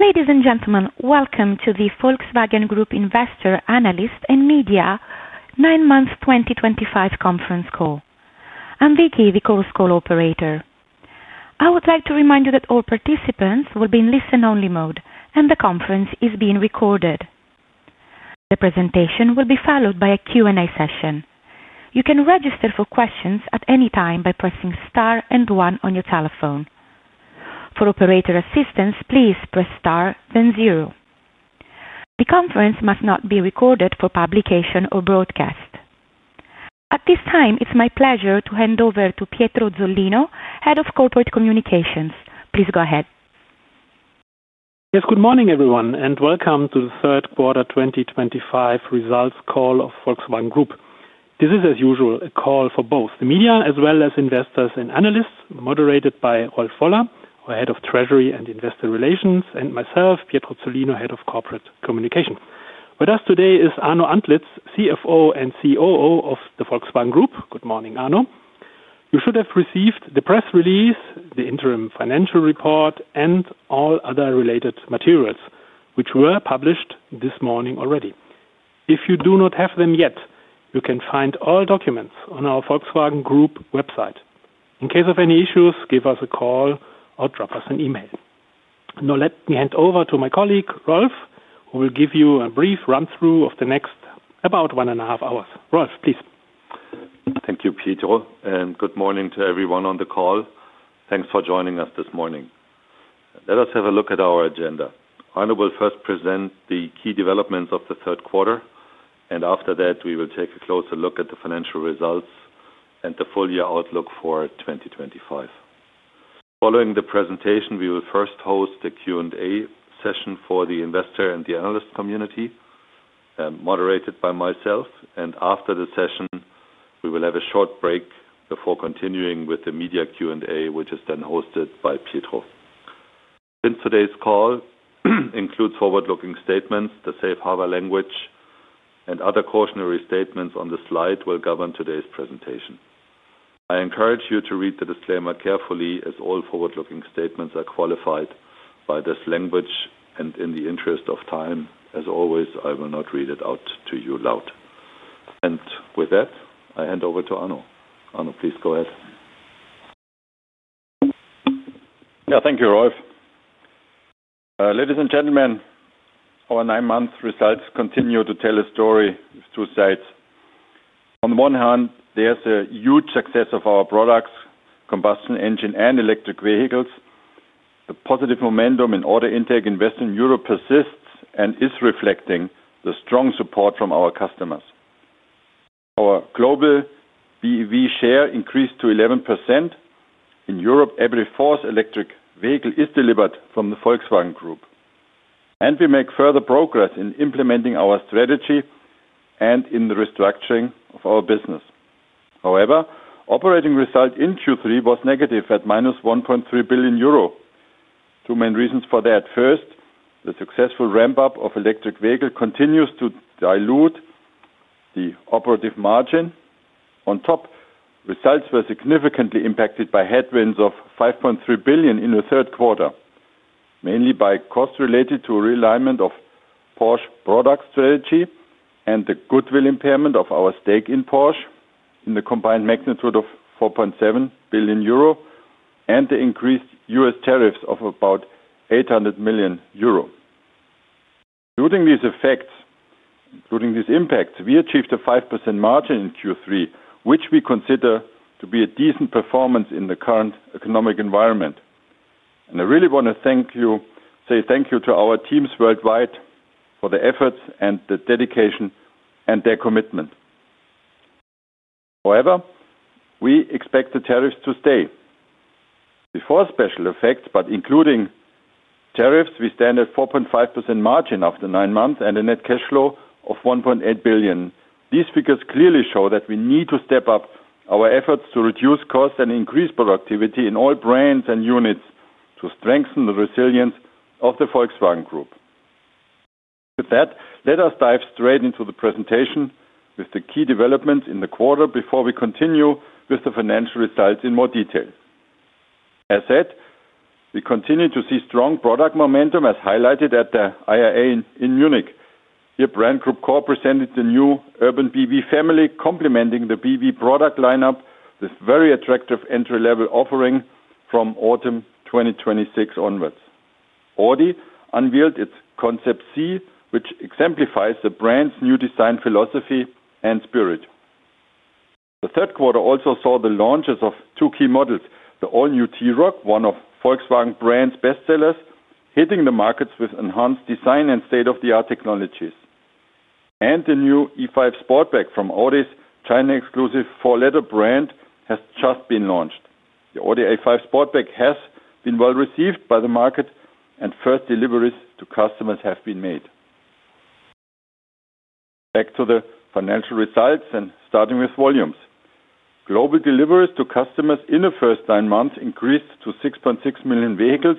Ladies and gentlemen, welcome to the Volkswagen Group investor, analyst, and media nine-month 2025 conference call. I'm Vicky, the call operator. I would like to remind you that all participants will be in listen-only mode, and the conference is being recorded. The presentation will be followed by a Q&A session. You can register for questions at any time by pressing star and one on your telephone. For operator assistance, please press star, then zero. The conference must not be recorded for publication or broadcast. At this time, it's my pleasure to hand over to Pietro Zollino, Head of Corporate Communications. Please go ahead. Yes, good morning everyone, and welcome to the third quarter 2025 results call of Volkswagen Group. This is, as usual, a call for both the media as well as investors and analysts, moderated by Rolf Woller, our Head of Treasury and Investor Relations, and myself, Pietro Zollino, Head of Corporate Communications. With us today is Arno Antlitz, CFO and COO of Volkswagen Group. Good morning, Arno. You should have received the press release, the interim financial report, and all other related materials, which were published this morning already. If you do not have them yet, you can find all documents on our Volkswagen Group website. In case of any issues, give us a call or drop us an email. Now, let me hand over to my colleague Rolf, who will give you a brief run-through of the next about one and a half hours. Rolf, please. Thank you, Pietro, and good morning to everyone on the call. Thanks for joining us this morning. Let us have a look at our agenda. Arno will first present the key developments of the third quarter, and after that, we will take a closer look at the financial results and the full-year outlook for 2025. Following the presentation, we will first host a Q&A session for the investor and the analyst community, moderated by myself. After the session, we will have a short break before continuing with the media Q&A, which is then hosted by Pietro. Since today's call includes forward-looking statements, the safe harbor language and other cautionary statements on the slide will govern today's presentation. I encourage you to read the disclaimer carefully as all forward-looking statements are qualified by this language. In the interest of time, as always, I will not read it out to you loud. With that, I hand over to Arno. Arno, please go ahead. Yeah, thank you, Rolf. Ladies and gentlemen, our nine-month results continue to tell a story of two sides. On the one hand, there's a huge success of our products, combustion engine and electric vehicles. The positive momentum in order intake in Western Europe persists and is reflecting the strong support from our customers. Our global BEV share increased to 11%. In Europe, every fourth electric vehicle is delivered from the Volkswagen Group. We make further progress in implementing our strategy and in the restructuring of our business. However, operating result in Q3 was negative at -1.3 billion euro. Two main reasons for that. First, the successful ramp-up of electric vehicles continues to dilute the operative margin. On top, results were significantly impacted by headwinds of 5.3 billion in the third quarter, mainly by costs related to a realignment of Porsche product strategy and the goodwill impairment of our stake in Porsche in the combined magnitude of 4.7 billion euro and the increased U.S. tariffs of about 800 million euro. Including these effects, including these impacts, we achieved a 5% margin in Q3, which we consider to be a decent performance in the current economic environment. I really want to thank you, say thank you to our teams worldwide for the efforts and the dedication and their commitment. However, we expect the tariffs to stay before special effects, but including tariffs, we stand at 4.5% margin after nine months and a net cash flow of 1.8 billion. These figures clearly show that we need to step up our efforts to reduce costs and increase productivity in all brands and units to strengthen the resilience of the Volkswagen Group. With that, let us dive straight into the presentation with the key developments in the quarter before we continue with the financial results in more detail. As said, we continue to see strong product momentum as highlighted at the IAA in Munich. Here, Brand Group Corp presented the new urban BEV family complementing the BEV product lineup with very attractive entry-level offering from autumn 2026 onwards. Audi unveiled its Concept C, which exemplifies the brand's new design philosophy and spirit. The third quarter also saw the launches of two key models: the all-new T-Roc, one of Volkswagen brand's bestsellers, hitting the markets with enhanced design and state-of-the-art technologies. The new E5 Sportback from Audi's China-exclusive four-letter brand has just been launched. The Audi A5 Sportback has been well received by the market, and first deliveries to customers have been made. Back to the financial results and starting with volumes. Global deliveries to customers in the first nine months increased to 6.6 million vehicles,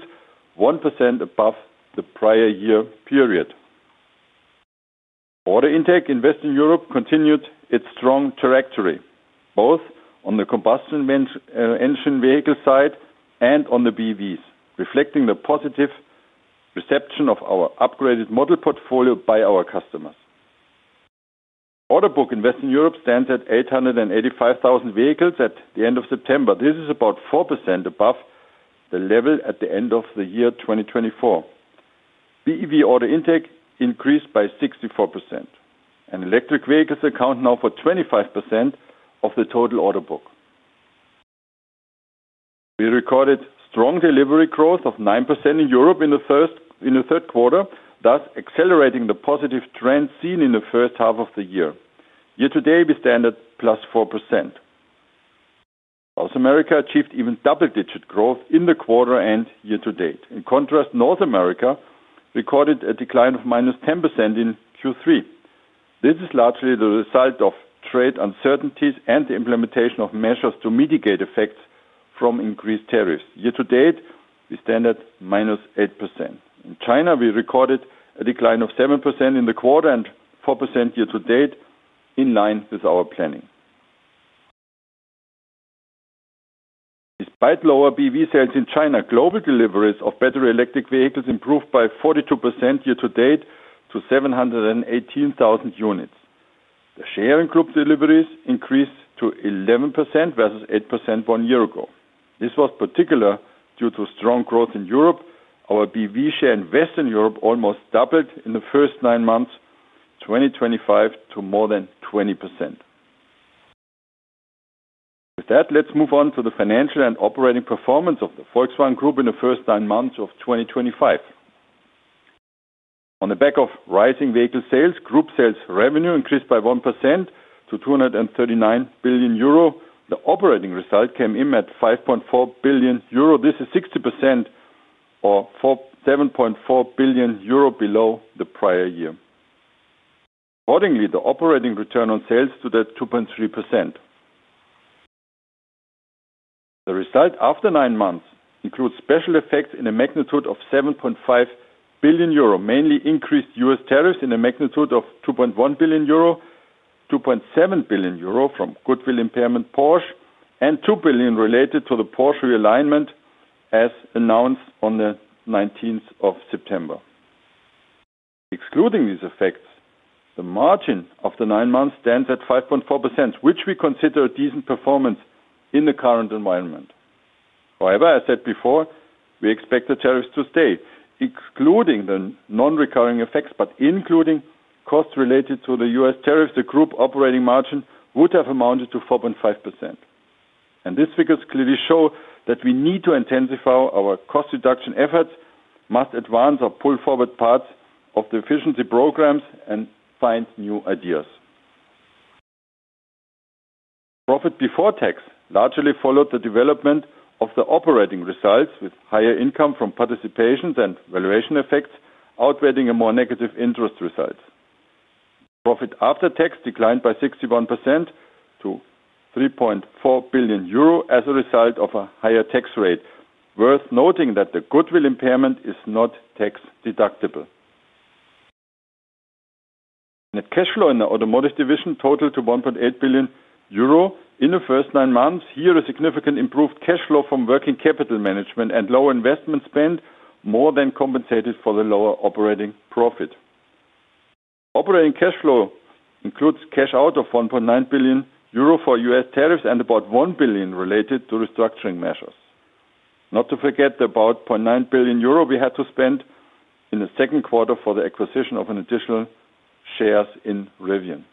1% above the prior year period. Order intake in Western Europe continued its strong trajectory, both on the combustion engine vehicle side and on the BEVs, reflecting the positive reception of our upgraded model portfolio by our customers. Order book in Western Europe stands at 885,000 vehicles at the end of September. This is about 4% above the level at the end of the year 2024. BEV order intake increased by 64%, and electric vehicles account now for 25% of the total order book. We recorded strong delivery growth of 9% in Europe in the third quarter, thus accelerating the positive trend seen in the first half of the year. Year to date, we stand at plus 4%. South America achieved even double-digit growth in the quarter and year to date. In contrast, North America recorded a decline of minus 10% in Q3. This is largely the result of trade uncertainties and the implementation of measures to mitigate effects from increased tariffs. Year to date, we stand at minus 8%. In China, we recorded a decline of 7% in the quarter and 4% year to date, in line with our planning. Despite lower BEV sales in China, global deliveries of battery electric vehicles improved by 42% year to date to 718,000 units. The share in group deliveries increased to 11% versus 8% one year ago. This was particular due to strong growth in Europe. Our BEV share in Western Europe almost doubled in the first nine months of 2025 to more than 20%. With that, let's move on to the financial and operating performance of the Volkswagen Group in the first nine months of 2025. On the back of rising vehicle sales, group sales revenue increased by 1% to 239 billion euro. The operating result came in at 5.4 billion euro. This is 60% or 7.4 billion euro below the prior year. Accordingly, the operating return on sales stood at 2.3%. The result after nine months includes special effects in a magnitude of 7.5 billion euro, mainly increased U.S. tariffs in a magnitude of 2.1 billion euro, 2.7 billion euro from goodwill impairment Porsche, and 2 billion related to the Porsche realignment as announced on the 19th of September. Excluding these effects, the margin of the nine months stands at 5.4%, which we consider a decent performance in the current environment. However, as said before, we expect the tariffs to stay. Excluding the non-recurring effects, but including costs related to the U.S. tariffs, the group operating margin would have amounted to 4.5%. These figures clearly show that we need to intensify our cost reduction efforts, must advance or pull forward parts of the efficiency programs, and find new ideas. Profit before tax largely followed the development of the operating results with higher income from participations and valuation effects outweighing the more negative interest results. Profit after tax declined by 61% to 3.4 billion euro as a result of a higher tax rate. Worth noting that the goodwill impairment is not tax deductible. Net cash flow in the automotive division totaled to 1.8 billion euro in the first nine months. Here, a significantly improved cash flow from working capital management and low investment spend more than compensated for the lower operating profit. Operating cash flow includes cash out of 1.9 billion euro for U.S. tariffs and about 1 billion related to restructuring measures. Not to forget the about 0.9 billion euro we had to spend in the second quarter for the acquisition of additional shares in Rivian.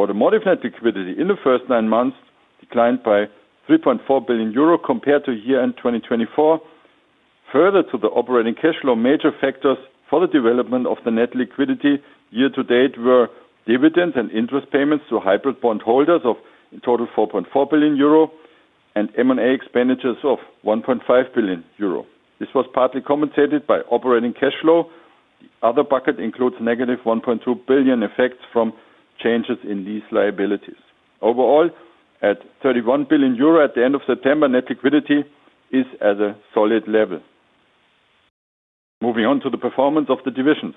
Automotive net liquidity in the first nine months declined by 3.4 billion euro compared to year end 2024. Further to the operating cash flow, major factors for the development of the net liquidity year to date were dividends and interest payments to hybrid bond holders of in total 4.4 billion euro and M&A expenditures of 1.5 billion euro. This was partly compensated by operating cash flow. The other bucket includes negative 1.2 billion effects from changes in lease liabilities. Overall, at 31 billion euro at the end of September, net liquidity is at a solid level. Moving on to the performance of the divisions.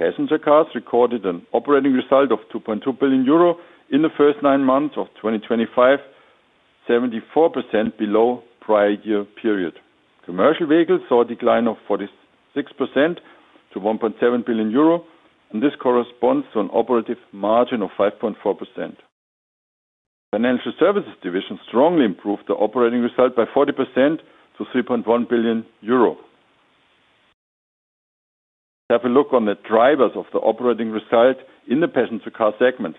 Passenger cars recorded an operating result of 2.2 billion euro in the first nine months of 2025, 74% below prior year period. Commercial vehicles saw a decline of 46% to 1.7 billion euro, and this corresponds to an operating margin of 5.4%. The financial services division strongly improved the operating result by 40% to 3.1 billion euro. Let's have a look on the drivers of the operating result in the passenger car segment.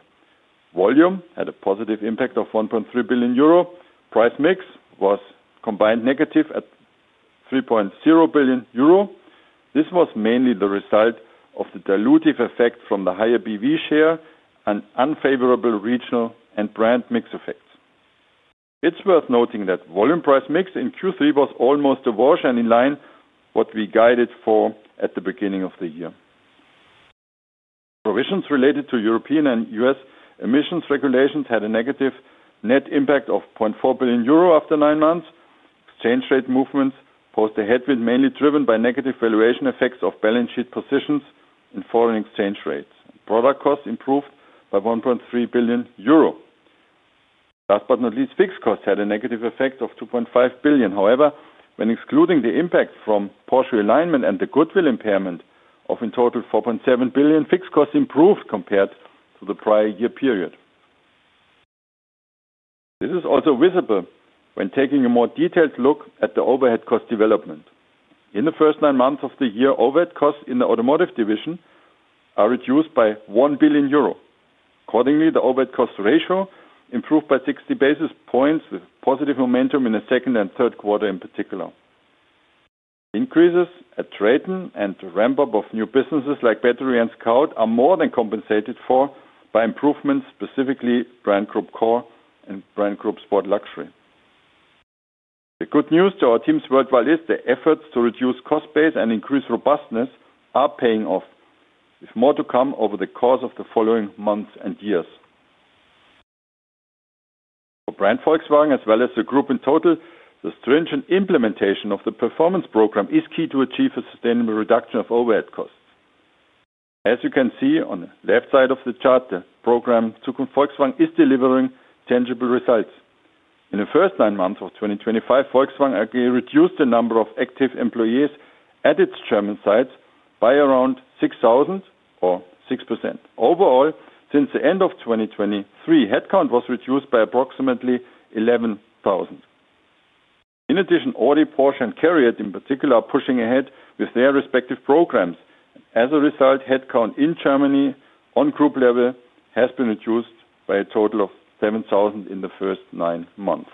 Volume had a positive impact of 1.3 billion euro. Price mix was combined negative at 3.0 billion euro. This was mainly the result of the dilutive effect from the higher BEV share and unfavorable regional and brand mix effects. It's worth noting that volume price mix in Q3 was almost a wash and in line with what we guided for at the beginning of the year. Provisions related to European and U.S. emissions regulations had a negative net impact of 0.4 billion euro after nine months. Exchange rate movements posed a headwind mainly driven by negative valuation effects of balance sheet positions in foreign exchange rates. Product costs improved by 1.3 billion euro. Last but not least, fixed costs had a negative effect of 2.5 billion. However, when excluding the impact from Porsche realignment and the goodwill impairment of in total 4.7 billion, fixed costs improved compared to the prior year period. This is also visible when taking a more detailed look at the overhead cost development. In the first nine months of the year, overhead costs in the automotive division are reduced by 1 billion euro. Accordingly, the overhead cost ratio improved by 60 basis points with positive momentum in the second and third quarter in particular. Increases at Traton and the ramp-up of new businesses like Battery and Scout are more than compensated for by improvements specifically Brand Group Core and Brand Group Sport Luxury. The good news to our teams worldwide is the efforts to reduce cost base and increase robustness are paying off, with more to come over the course of the following months and years. For brand Volkswagen as well as the group in total, the stringent implementation of the performance program is key to achieve a sustainable reduction of overhead costs. As you can see on the left side of the chart, the program to Volkswagen is delivering tangible results. In the first nine months of 2025, Volkswagen reduced the number of active employees at its Chairman's sites by around 6,000 or 6%. Overall, since the end of 2023, headcount was reduced by approximately 11,000. In addition, Audi, Porsche, and Carrier, in particular, are pushing ahead with their respective programs. As a result, headcount in Germany on group level has been reduced by a total of 7,000 in the first nine months.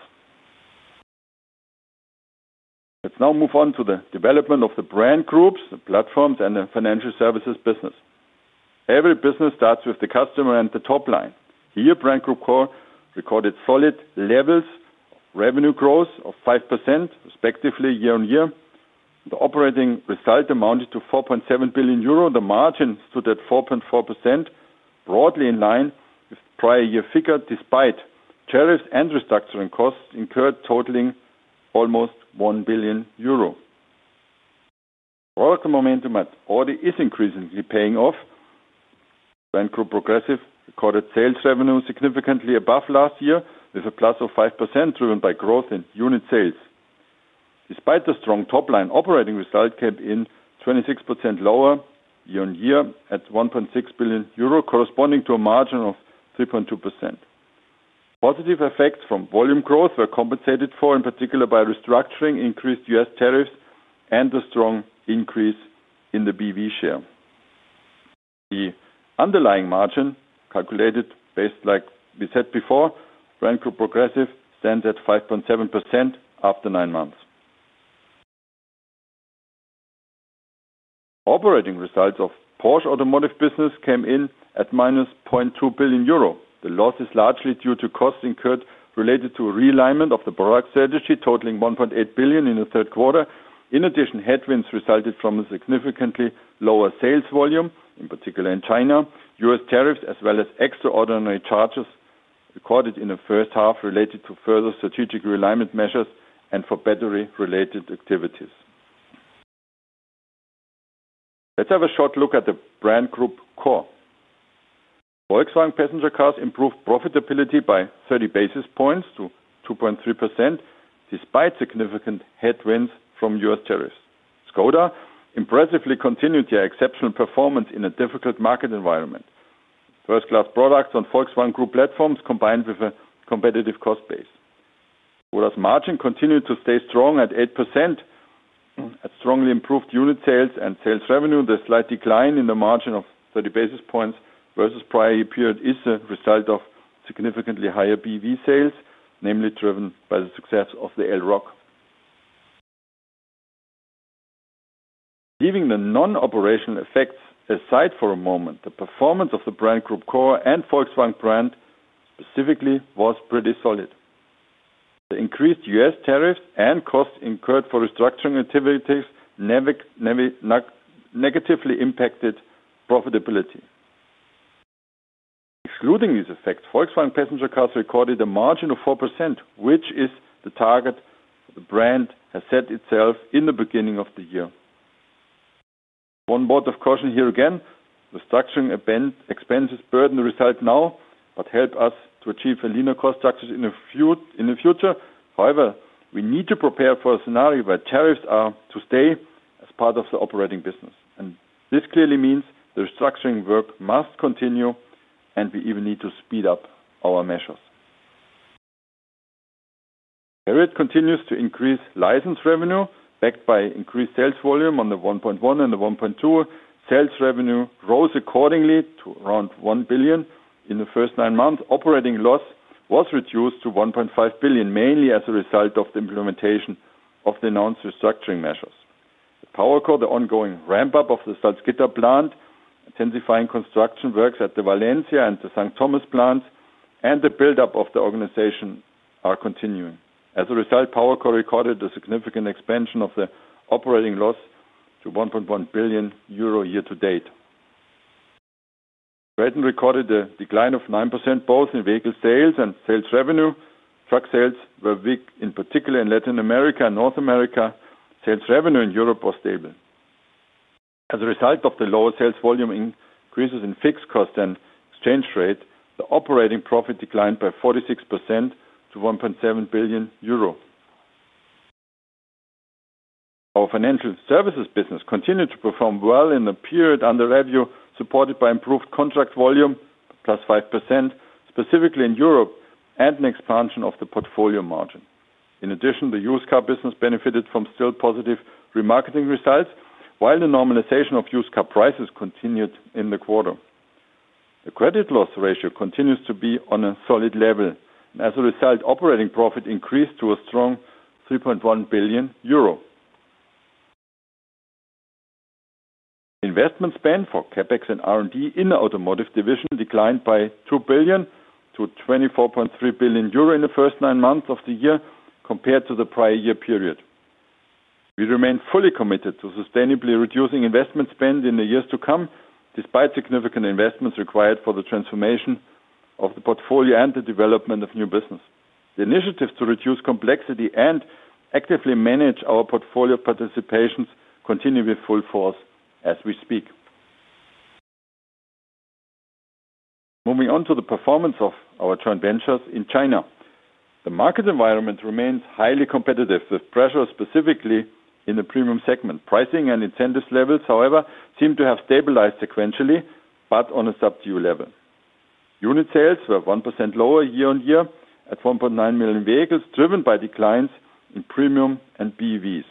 Let's now move on to the development of the brand groups, the platforms, and the financial services business. Every business starts with the customer and the top line. Here, Brand Group Core recorded solid levels of revenue growth of 5% year on year. The operating result amounted to 4.7 billion euro. The margin stood at 4.4%, broadly in line with the prior year figure despite tariffs and restructuring costs incurred totaling almost 1 billion euro. The momentum at Audi is increasingly paying off. Brand Group Progressive recorded sales revenue significantly above last year with a plus of 5% driven by growth in unit sales. Despite the strong top line, operating result came in 26% lower year on year at 1.6 billion euro, corresponding to a margin of 3.2%. Positive effects from volume growth were compensated for, in particular, by restructuring, increased U.S. tariffs, and the strong increase in the BEV share. The underlying margin calculated based, like we said before, Brand Group Progressive stands at 5.7% after nine months. Operating results of Porsche automotive business came in at minus 0.2 billion euro. The loss is largely due to costs incurred related to a realignment of the product strategy, totaling 1.8 billion in the third quarter. In addition, headwinds resulted from a significantly lower sales volume, in particular in China, U.S. tariffs, as well as extraordinary charges recorded in the first half related to further strategic realignment measures and for battery-related activities. Let's have a short look at the Brand Group Core. Volkswagen Passenger Cars improved profitability by 30 basis points to 2.3% despite significant headwinds from U.S. tariffs. Škoda impressively continued their exceptional performance in a difficult market environment. First-class products on Volkswagen Group platforms combined with a competitive cost base. Škoda's margin continued to stay strong at 8%. It strongly improved unit sales and sales revenue. The slight decline in the margin of 30 basis points versus the prior year period is a result of significantly higher BEV sales, namely driven by the success of the Elroq. Leaving the non-operational effects aside for a moment, the performance of the Brand Group Core and Volkswagen brand specifically was pretty solid. The increased U.S. tariffs and costs incurred for restructuring activities negatively impacted profitability. Excluding these effects, Volkswagen Passenger Cars recorded a margin of 4%, which is the target the brand has set itself in the beginning of the year. One word of caution here again, restructuring expenses burden the result now, but help us to achieve a leaner cost structure in the future. However, we need to prepare for a scenario where tariffs are to stay as part of the operating business. This clearly means the restructuring work must continue, and we even need to speed up our measures. Carriot continues to increase license revenue backed by increased sales volume on the 1.1 and the 1.2. Sales revenue rose accordingly to around 1 billion in the first nine months. Operating loss was reduced to 1.5 billion, mainly as a result of the implementation of the announced restructuring measures. At PowerCo, the ongoing ramp-up of the Salzgitter plant, intensifying construction works at the Valencia and the St. Thomas plants, and the build-up of the organization are continuing. As a result, PowerCo recorded a significant expansion of the operating loss to 1.1 billion euro year to date. Traton recorded a decline of 9% both in vehicle sales and sales revenue. Truck sales were weak in particular in Latin America and North America. Sales revenue in Europe was stable. As a result of the lower sales volume, increases in fixed costs, and exchange rates, the operating profit declined by 46% to 1.7 billion euro. Our financial services business continued to perform well in the period under review, supported by improved contract volume, plus 5% specifically in Europe, and an expansion of the portfolio margin. In addition, the used car business benefited from still positive remarketing results, while the normalization of used car prices continued in the quarter. The credit loss ratio continues to be on a solid level. As a result, operating profit increased to a strong 3.1 billion euro. Investment spend for CapEx and R&D in the automotive division declined by 2 billion-24.3 billion euro in the first nine months of the year compared to the prior year period. We remain fully committed to sustainably reducing investment spend in the years to come, despite significant investments required for the transformation of the portfolio and the development of new business. The initiatives to reduce complexity and actively manage our portfolio participations continue with full force as we speak. Moving on to the performance of our joint ventures in China, the market environment remains highly competitive with pressure specifically in the premium segment. Pricing and incentives levels, however, seem to have stabilized sequentially, but on a subdued level. Unit sales were 1% lower year on year at 1.9 million vehicles, driven by declines in premium and BEVs.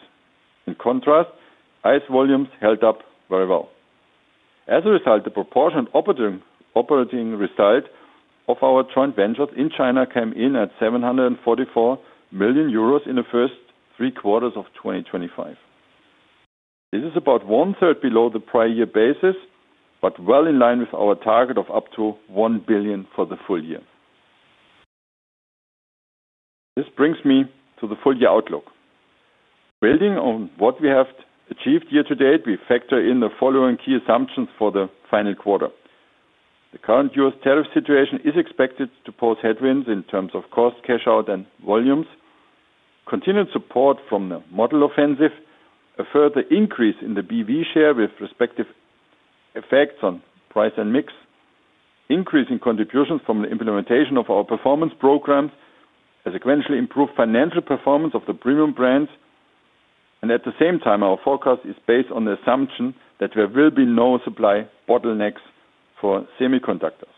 In contrast, ICE volumes held up very well. As a result, the proportion operating result of our joint ventures in China came in at 744 million euros in the first three quarters of 2025. This is about one-third below the prior year basis, but well in line with our target of up to 1 billion for the full year. This brings me to the full-year outlook. Building on what we have achieved year to date, we factor in the following key assumptions for the final quarter. The current U.S. tariff situation is expected to pose headwinds in terms of cost, cash out, and volumes. Continued support from the model offensive, a further increase in the BEV share with respective effects on price and mix, increasing contributions from the implementation of our performance programs has sequentially improved financial performance of the premium brands. At the same time, our forecast is based on the assumption that there will be no supply bottlenecks for semiconductors.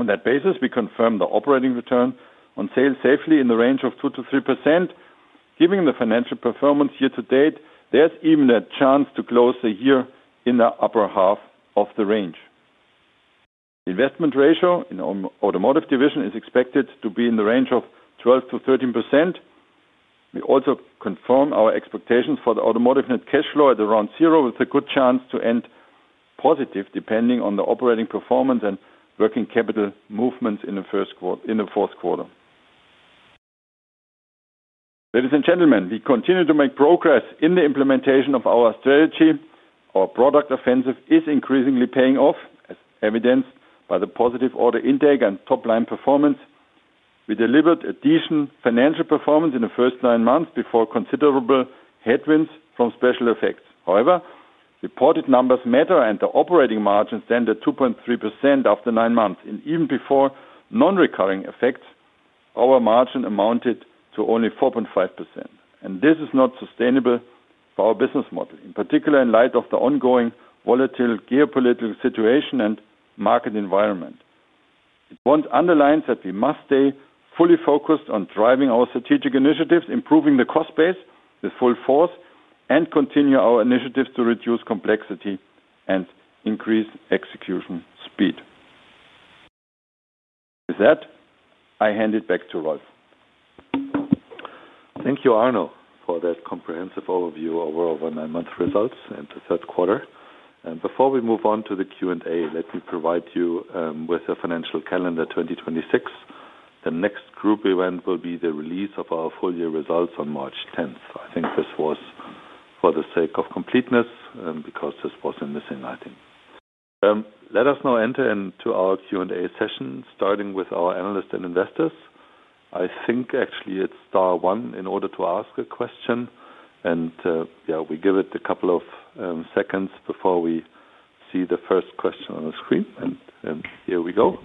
On that basis, we confirm the operating return on sales safely in the range of 2-3%. Given the financial performance year to date, there's even a chance to close the year in the upper half of the range. The investment ratio in the automotive division is expected to be in the range of 12-13%. We also confirm our expectations for the automotive net cash flow at around zero, with a good chance to end positive depending on the operating performance and working capital movements in the first quarter in the fourth quarter. Ladies and gentlemen, we continue to make progress in the implementation of our strategy. Our product offensive is increasingly paying off, as evidenced by the positive order intake and top-line performance. We delivered a decent financial performance in the first nine months before considerable headwinds from special effects. However, reported numbers matter, and the operating margins stand at 2.3% after nine months. Even before non-recurring effects, our margin amounted to only 4.5%. This is not sustainable for our business model, in particular in light of the ongoing volatile geopolitical situation and market environment. It underlines that we must stay fully focused on driving our strategic initiatives, improving the cost base with full force, and continue our initiatives to reduce complexity and increase execution speed. With that, I hand it back to Rolf. Thank you, Arno, for that comprehensive overview over our nine-month results in the third quarter. Before we move on to the Q&A, let me provide you with a financial calendar 2026. The next group event will be the release of our full-year results on March 10th. I think this was for the sake of completeness because this was a missing item. Let us now enter into our Q&A session, starting with our analysts and investors. I think actually it's star one in order to ask a question. We give it a couple of seconds before we see the first question on the screen. Here we go.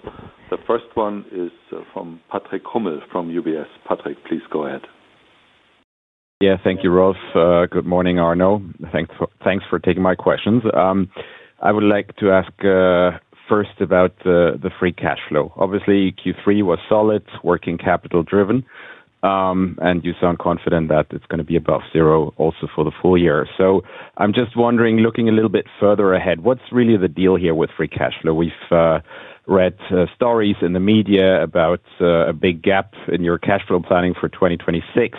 The first one is from Patrick Hummel from UBS Investment Bank. Patrick, please go ahead. Yeah, thank you, Rolf. Good morning, Arno. Thanks for taking my questions. I would like to ask first about the free cash flow. Obviously, Q3 was solid, working capital driven. You sound confident that it's going to be above zero also for the full year. I'm just wondering, looking a little bit further ahead, what's really the deal here with free cash flow? We've read stories in the media about a big gap in your cash flow planning for 2026.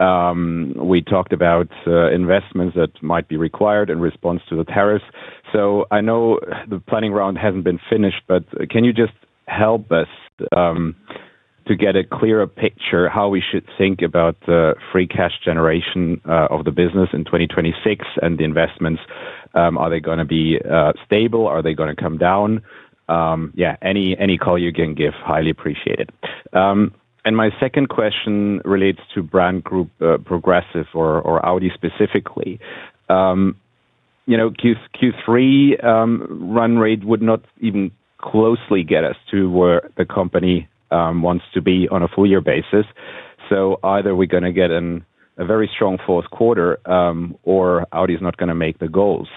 We talked about investments that might be required in response to the tariffs. I know the planning round hasn't been finished, but can you just help us to get a clearer picture how we should think about the free cash generation of the business in 2026 and the investments? Are they going to be stable? Are they going to come down? Any call you can give, highly appreciated. My second question relates to Brand Group Progressive or Audi specifically. Q3 run rate would not even closely get us to where the company wants to be on a full-year basis. Either we're going to get a very strong fourth quarter or Audi is not going to make the goals.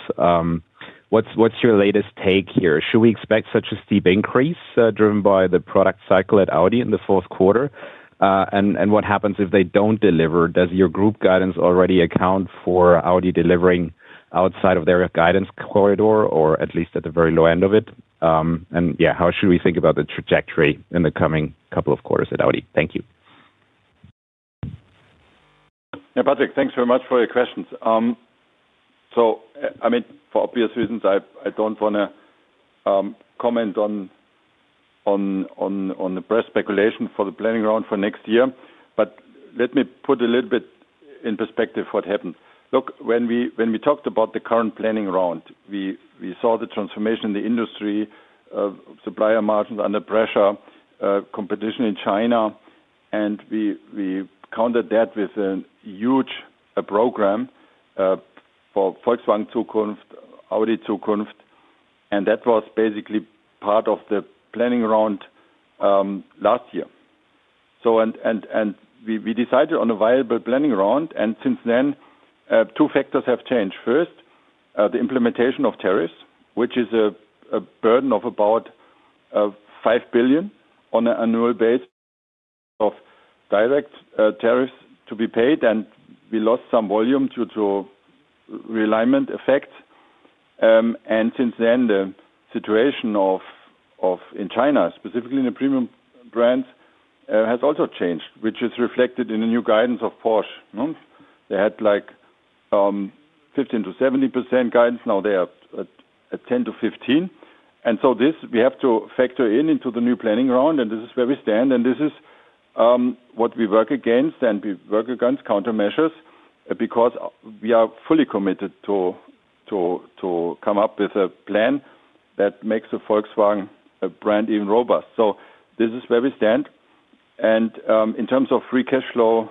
What's your latest take here? Should we expect such a steep increase driven by the product cycle at Audi in the fourth quarter? What happens if they don't deliver? Does your group guidance already account for Audi delivering outside of their guidance corridor or at least at the very low end of it? How should we think about the trajectory in the coming couple of quarters at Audi? Thank you. Yeah, Patrick, thanks very much for your questions. For obvious reasons, I don't want to comment on the press speculation for the planning round for next year. Let me put a little bit in perspective what happened. Look, when we talked about the current planning round, we saw the transformation in the industry, supplier margins under pressure, competition in China. We countered that with a huge program for Volkswagen Zukunft, Audi Zukunft. That was basically part of the planning round last year. We decided on a viable planning round. Since then, two factors have changed. First, the implementation of tariffs, which is a burden of about $5 billion on an annual basis of direct tariffs to be paid. We lost some volume due to realignment effects. Since then, the situation in China, specifically in the premium brands, has also changed, which is reflected in the new guidance of Porsche. They had like 15%-70% guidance. Now they are at 10%-15%. This, we have to factor in into the new planning round. This is where we stand. This is what we work against and we work against countermeasures because we are fully committed to come up with a plan that makes the Volkswagen brand even robust. This is where we stand. In terms of free cash flow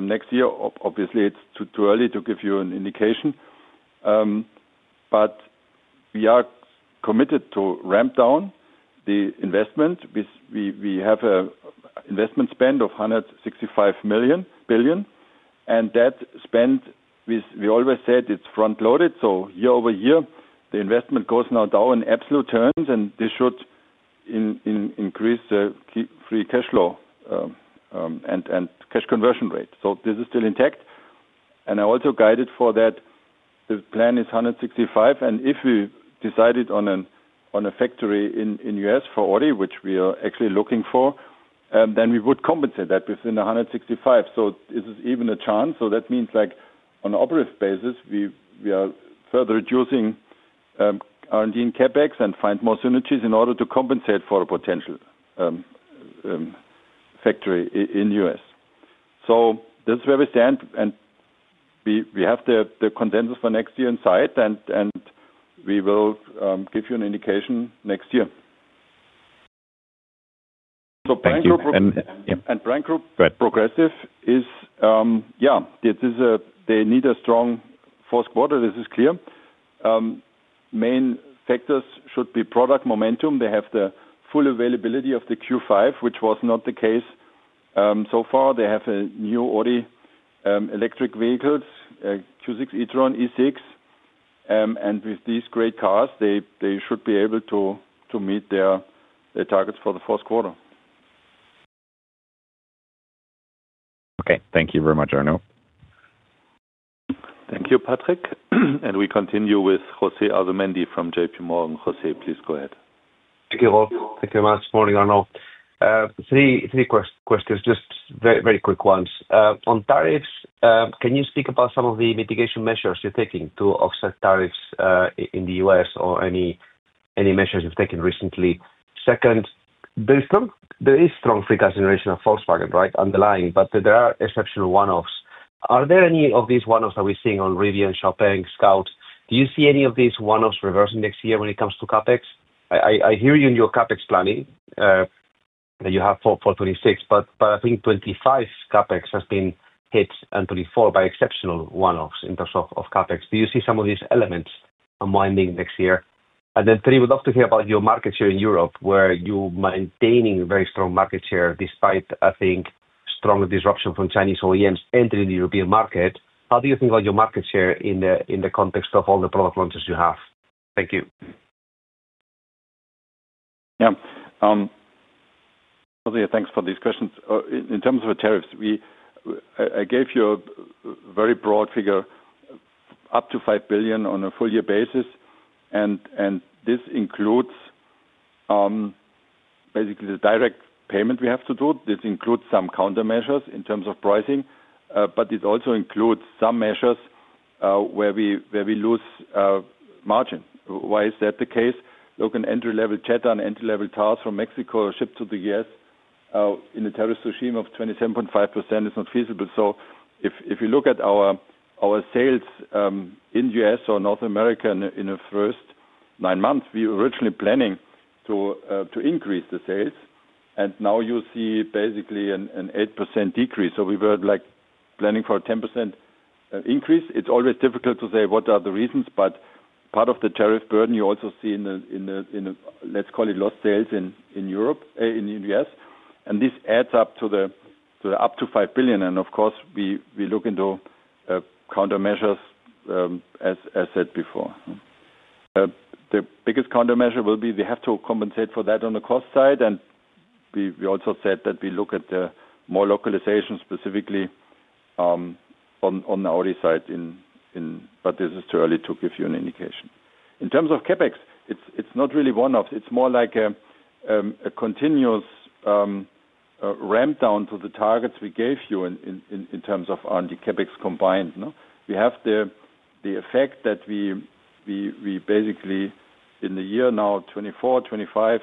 next year, obviously, it's too early to give you an indication. We are committed to ramp down the investment. We have an investment spend of $165 billion. That spend, we always said it's front-loaded. Year-over-year, the investment goes now down in absolute terms. This should increase the free cash flow and cash conversion rate. This is still intact. I also guided for that. The plan is $165 billion. If we decided on a factory in the U.S. for Audi, which we are actually looking for, then we would compensate that within $165 billion. This is even a chance. That means like on an operative basis, we are further reducing R&D and CapEx and find more synergies in order to compensate for a potential factory in the U.S. This is where we stand. We have the consensus for next year in sight. We will give you an indication next year. Brand Group and Brand Group Progressive, yeah, they need a strong fourth quarter. This is clear. Main factors should be product momentum. They have the full availability of the Q5, which was not the case so far. They have new Audi electric vehicles, Q6 e-tron, E6. With these great cars, they should be able to meet their targets for the fourth quarter. Okay, thank you very much, Arno. Thank you, Patrick. We continue with José Asumendi from JPMorgan. José, please go ahead. Thank you, Rolf. Thank you very much. Morning, Arno. Three questions, just very, very quick ones. On tariffs, can you speak about some of the mitigation measures you're taking to offset tariffs in the U.S. or any measures you've taken recently? Second, there is strong free cash generation of Volkswagen, right, underlying, but there are exceptional one-offs. Are there any of these one-offs that we're seeing on Rivian, Champagne, Scout? Do you see any of these one-offs reversing next year when it comes to CapEx? I hear you in your CapEx planning that you have for 2026, but I think 2025 CapEx has been hit and 2024 by exceptional one-offs in terms of CapEx. Do you see some of these elements unwinding next year? Three, we'd love to hear about your market share in Europe, where you're maintaining very strong market share despite, I think, strong disruption from Chinese OEMs entering the European market. How do you think about your market share in the context of all the product launches you have? Thank you. Yeah. José, thanks for these questions. In terms of tariffs, I gave you a very broad figure, up to $5 billion on a full-year basis. This includes basically the direct payment we have to do. This includes some countermeasures in terms of pricing. It also includes some measures where we lose margin. Why is that the case? Look, an entry-level Jetta, an entry-level Taos from Mexico shipped to the U.S. in a tariff regime of 27.5% is not feasible. If you look at our sales in the U.S. or North America in the first nine months, we were originally planning to increase the sales. You see basically an 8% decrease. We were planning for a 10% increase. It's always difficult to say what are the reasons, but part of the tariff burden you also see in the, let's call it, lost sales in Europe, in the U.S. This adds up to the up to $5 billion. Of course, we look into countermeasures as said before. The biggest countermeasure will be they have to compensate for that on the cost side. We also said that we look at more localization specifically on the Audi side. This is too early to give you an indication. In terms of CapEx, it's not really one-offs. It's more like a continuous ramp down to the targets we gave you in terms of R&D CapEx combined. We have the effect that we basically, in the year now 2024, 2025,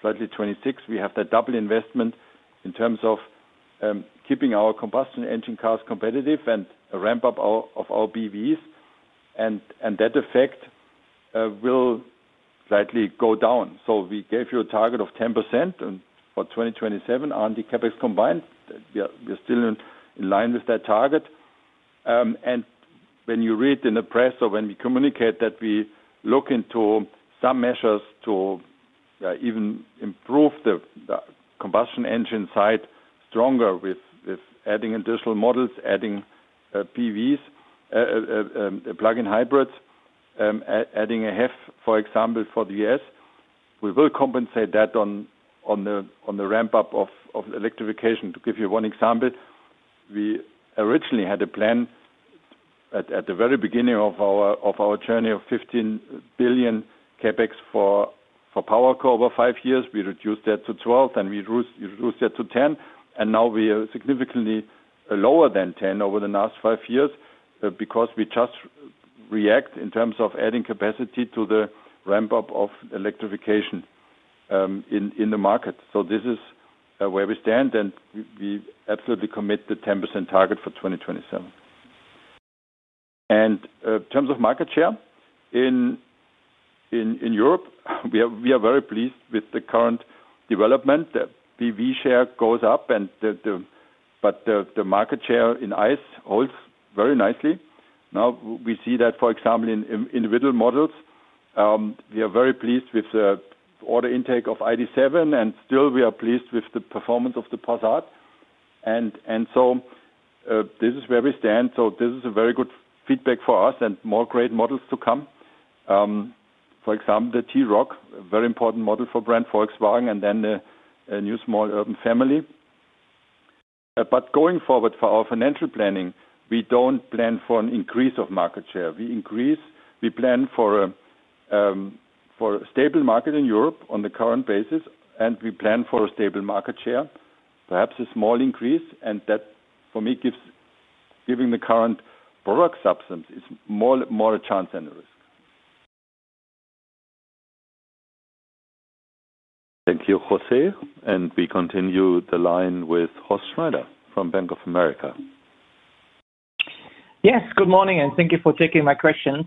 slightly 2026, we have that double investment in terms of keeping our combustion engine cars competitive and a ramp-up of our BEVs. That effect will slightly go down. We gave you a target of 10% for 2027 R&D CapEx combined. We are still in line with that target. When you read in the press or when we communicate that we look into some measures to even improve the combustion engine side stronger with adding additional models, adding PHEVs, plug-in hybrids, adding a HEV, for example, for the U.S., we will compensate that on the ramp-up of electrification. To give you one example, we originally had a plan at the very beginning of our journey of $15 billion CapEx for PowerCo over five years. We reduced that to $12 billion, then we reduced it to $10 billion. Now we are significantly lower than $10 billion over the last five years because we just react in terms of adding capacity to the ramp-up of electrification in the market. This is where we stand. We absolutely commit to the 10% target for 2027. In terms of market share in Europe, we are very pleased with the current development. The BEV share goes up, but the market share in ICE holds very nicely. We see that, for example, in the middle models. We are very pleased with the order intake of ID.7, and still, we are pleased with the performance of the Passat. This is where we stand. This is very good feedback for us and more great models to come. For example, the T-Roc, a very important model for Brand Volkswagen, and then the new small urban family. Going forward for our financial planning, we don't plan for an increase of market share. We plan for a stable market in Europe on the current basis, and we plan for a stable market share, perhaps a small increase. That, for me, given the current product substance, is more a chance than a risk. Thank you, José. We continue the line with Horst Schneider from Bank of America. Yes, good morning, and thank you for taking my questions.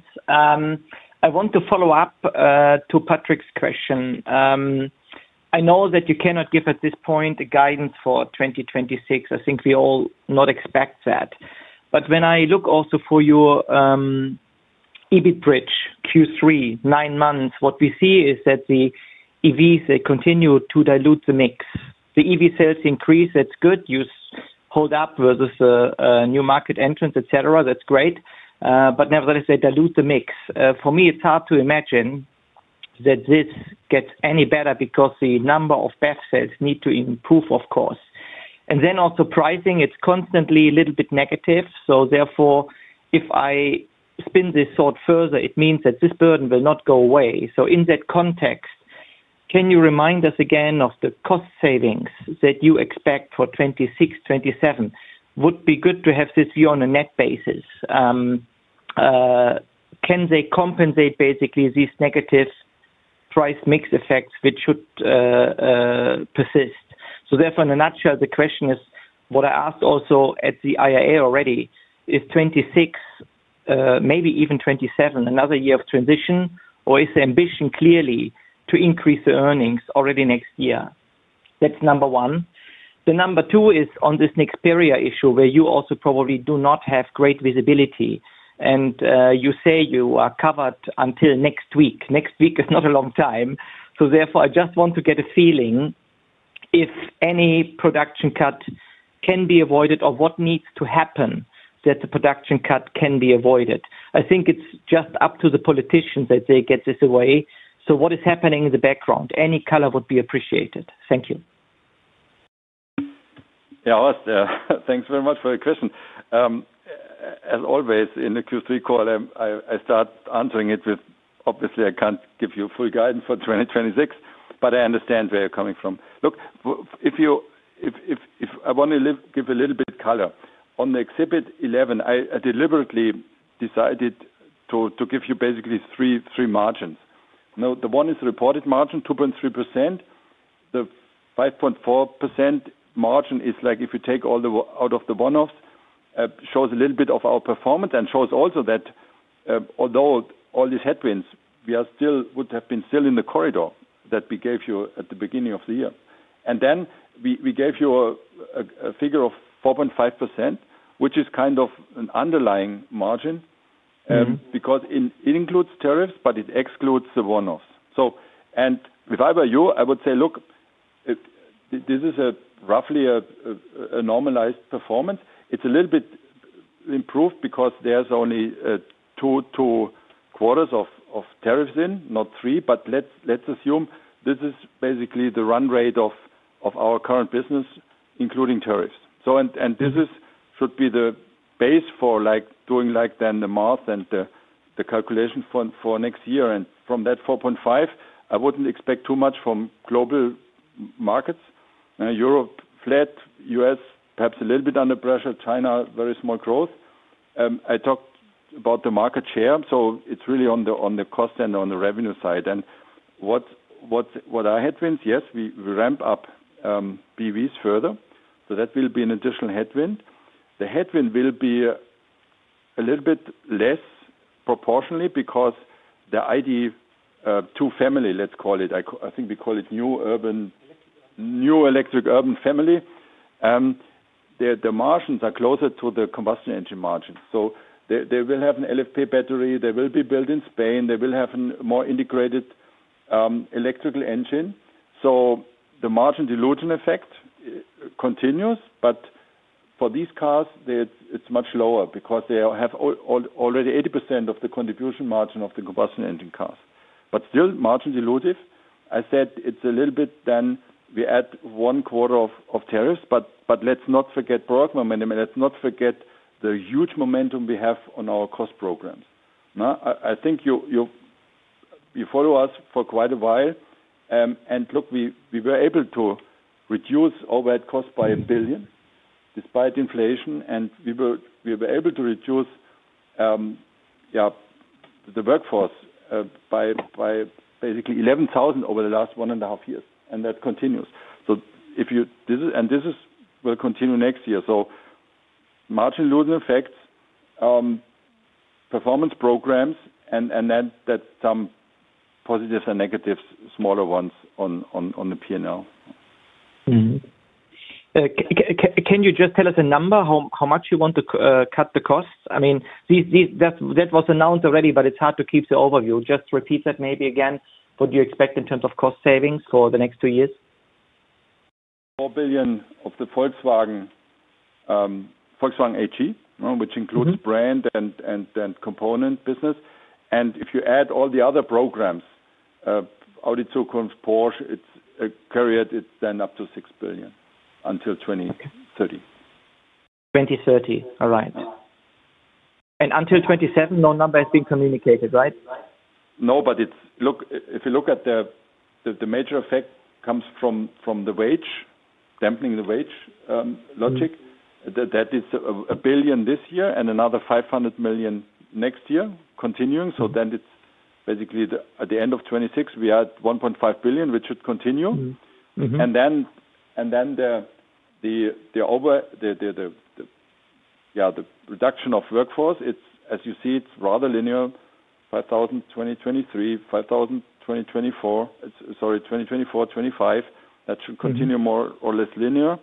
I want to follow up to Patrick's question. I know that you cannot give at this point a guidance for 2026. I think we all not expect that. When I look also for your EBIT bridge Q3, nine months, what we see is that the EVs continue to dilute the mix. The EV sales increase, that's good. You hold up versus new market entrants, etc. That's great. Nevertheless, they dilute the mix. For me, it's hard to imagine that this gets any better because the number of BEV sales need to improve, of course. Also, pricing, it's constantly a little bit negative. Therefore, if I spin this thought further, it means that this burden will not go away. In that context, can you remind us again of the cost savings that you expect for 2026, 2027? Would be good to have this view on a net basis. Can they compensate basically these negative price mix effects which should persist? Therefore, in a nutshell, the question is what I asked also at the IAA already, is 2026, maybe even 2027, another year of transition, or is the ambition clearly to increase the earnings already next year? That's number one. Number two is on this Nexperia issue where you also probably do not have great visibility. You say you are covered until next week. Next week is not a long time. Therefore, I just want to get a feeling if any production cut can be avoided or what needs to happen that the production cut can be avoided. I think it's just up to the politicians that they get this away. What is happening in the background? Any color would be appreciated. Thank you. Yeah, thanks very much for the question. As always, in the Q3 call, I start answering it with obviously, I can't give you full guidance for 2026, but I understand where you're coming from. Look, if I want to give a little bit of color on the exhibit 11, I deliberately decided to give you basically three margins. The one is the reported margin, 2.3%. The 5.4% margin is like if you take all the out of the one-offs, it shows a little bit of our performance and shows also that although all these headwinds, we would have been still in the corridor that we gave you at the beginning of the year. Then we gave you a figure of 4.5%, which is kind of an underlying margin because it includes tariffs, but it excludes the one-offs. If I were you, I would say, look, this is roughly a normalized performance. It's a little bit improved because there's only two quarters of tariffs in, not three, but let's assume this is basically the run rate of our current business, including tariffs. This should be the base for doing like then the math and the calculation for next year. From that 4.5%, I wouldn't expect too much from global markets. Europe flat, U.S. perhaps a little bit under pressure, China very small growth. I talked about the market share. It's really on the cost and on the revenue side. What are headwinds? Yes, we ramp up BEVs further. That will be an additional headwind. The headwind will be a little bit less proportionally because the ID.2 family, let's call it, I think we call it new urban new electric urban family, the margins are closer to the combustion engine margins. They will have an LFP battery. They will be built in Spain. They will have a more integrated electrical engine. The margin dilution effect continues, but for these cars, it's much lower because they have already 80% of the contribution margin of the combustion engine cars. Still, margin dilutive. I said it's a little bit then we add one quarter of tariffs, but let's not forget product momentum. Let's not forget the huge momentum we have on our cost programs. I think you follow us for quite a while. Look, we were able to reduce overhead costs by $1 billion despite inflation. We were able to reduce the workforce by basically 11,000 over the last one and a half years. That continues. If you and this will continue next year. Margin losing effects, performance programs, and then that's some positives and negatives, smaller ones on the P&L. Can you just tell us a number, how much you want to cut the costs? I mean, that was announced already, but it's hard to keep the overview. Just repeat that maybe again. What do you expect in terms of cost savings for the next two years? 4 billion of the Volkswagen AG, which includes brand and component business. If you add all the other programs, Audi Zukunft, Porsche, it's Carriot, it's then up to 6 billion until 2030. 2030. All right. Until 2027, no number has been communicated, right? No, but it's, look, if you look at the major effect, it comes from the wage, dampening the wage logic. That is 1 billion this year and another 500 million next year continuing. It's basically at the end of 2026, we had 1.5 billion, which should continue. The reduction of workforce, as you see, it's rather linear: 5,000 in 2023, 5,000 in 2024, sorry, 2024, 2025. That should continue more or less linear.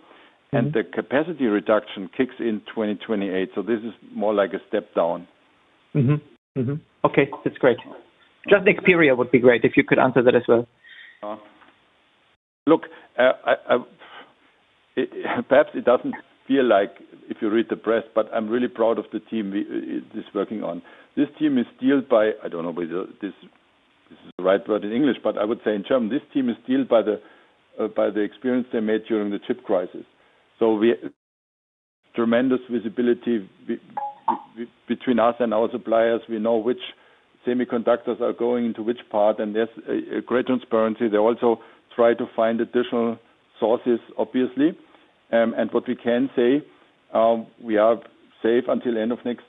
The capacity reduction kicks in 2028. This is more like a step down. Okay. That's great. Just Nexperia would be great if you could answer that as well. Look, perhaps it doesn't feel like it if you read the press, but I'm really proud of the team this is working on. This team is steeled by, I don't know whether this is the right word in English, but I would say in German, this team is steeled by the experience they made during the chip crisis. We have tremendous visibility between us and our suppliers. We know which semiconductors are going into which part, and there's great transparency. They also try to find additional sources, obviously. What we can say, we are safe until the end of next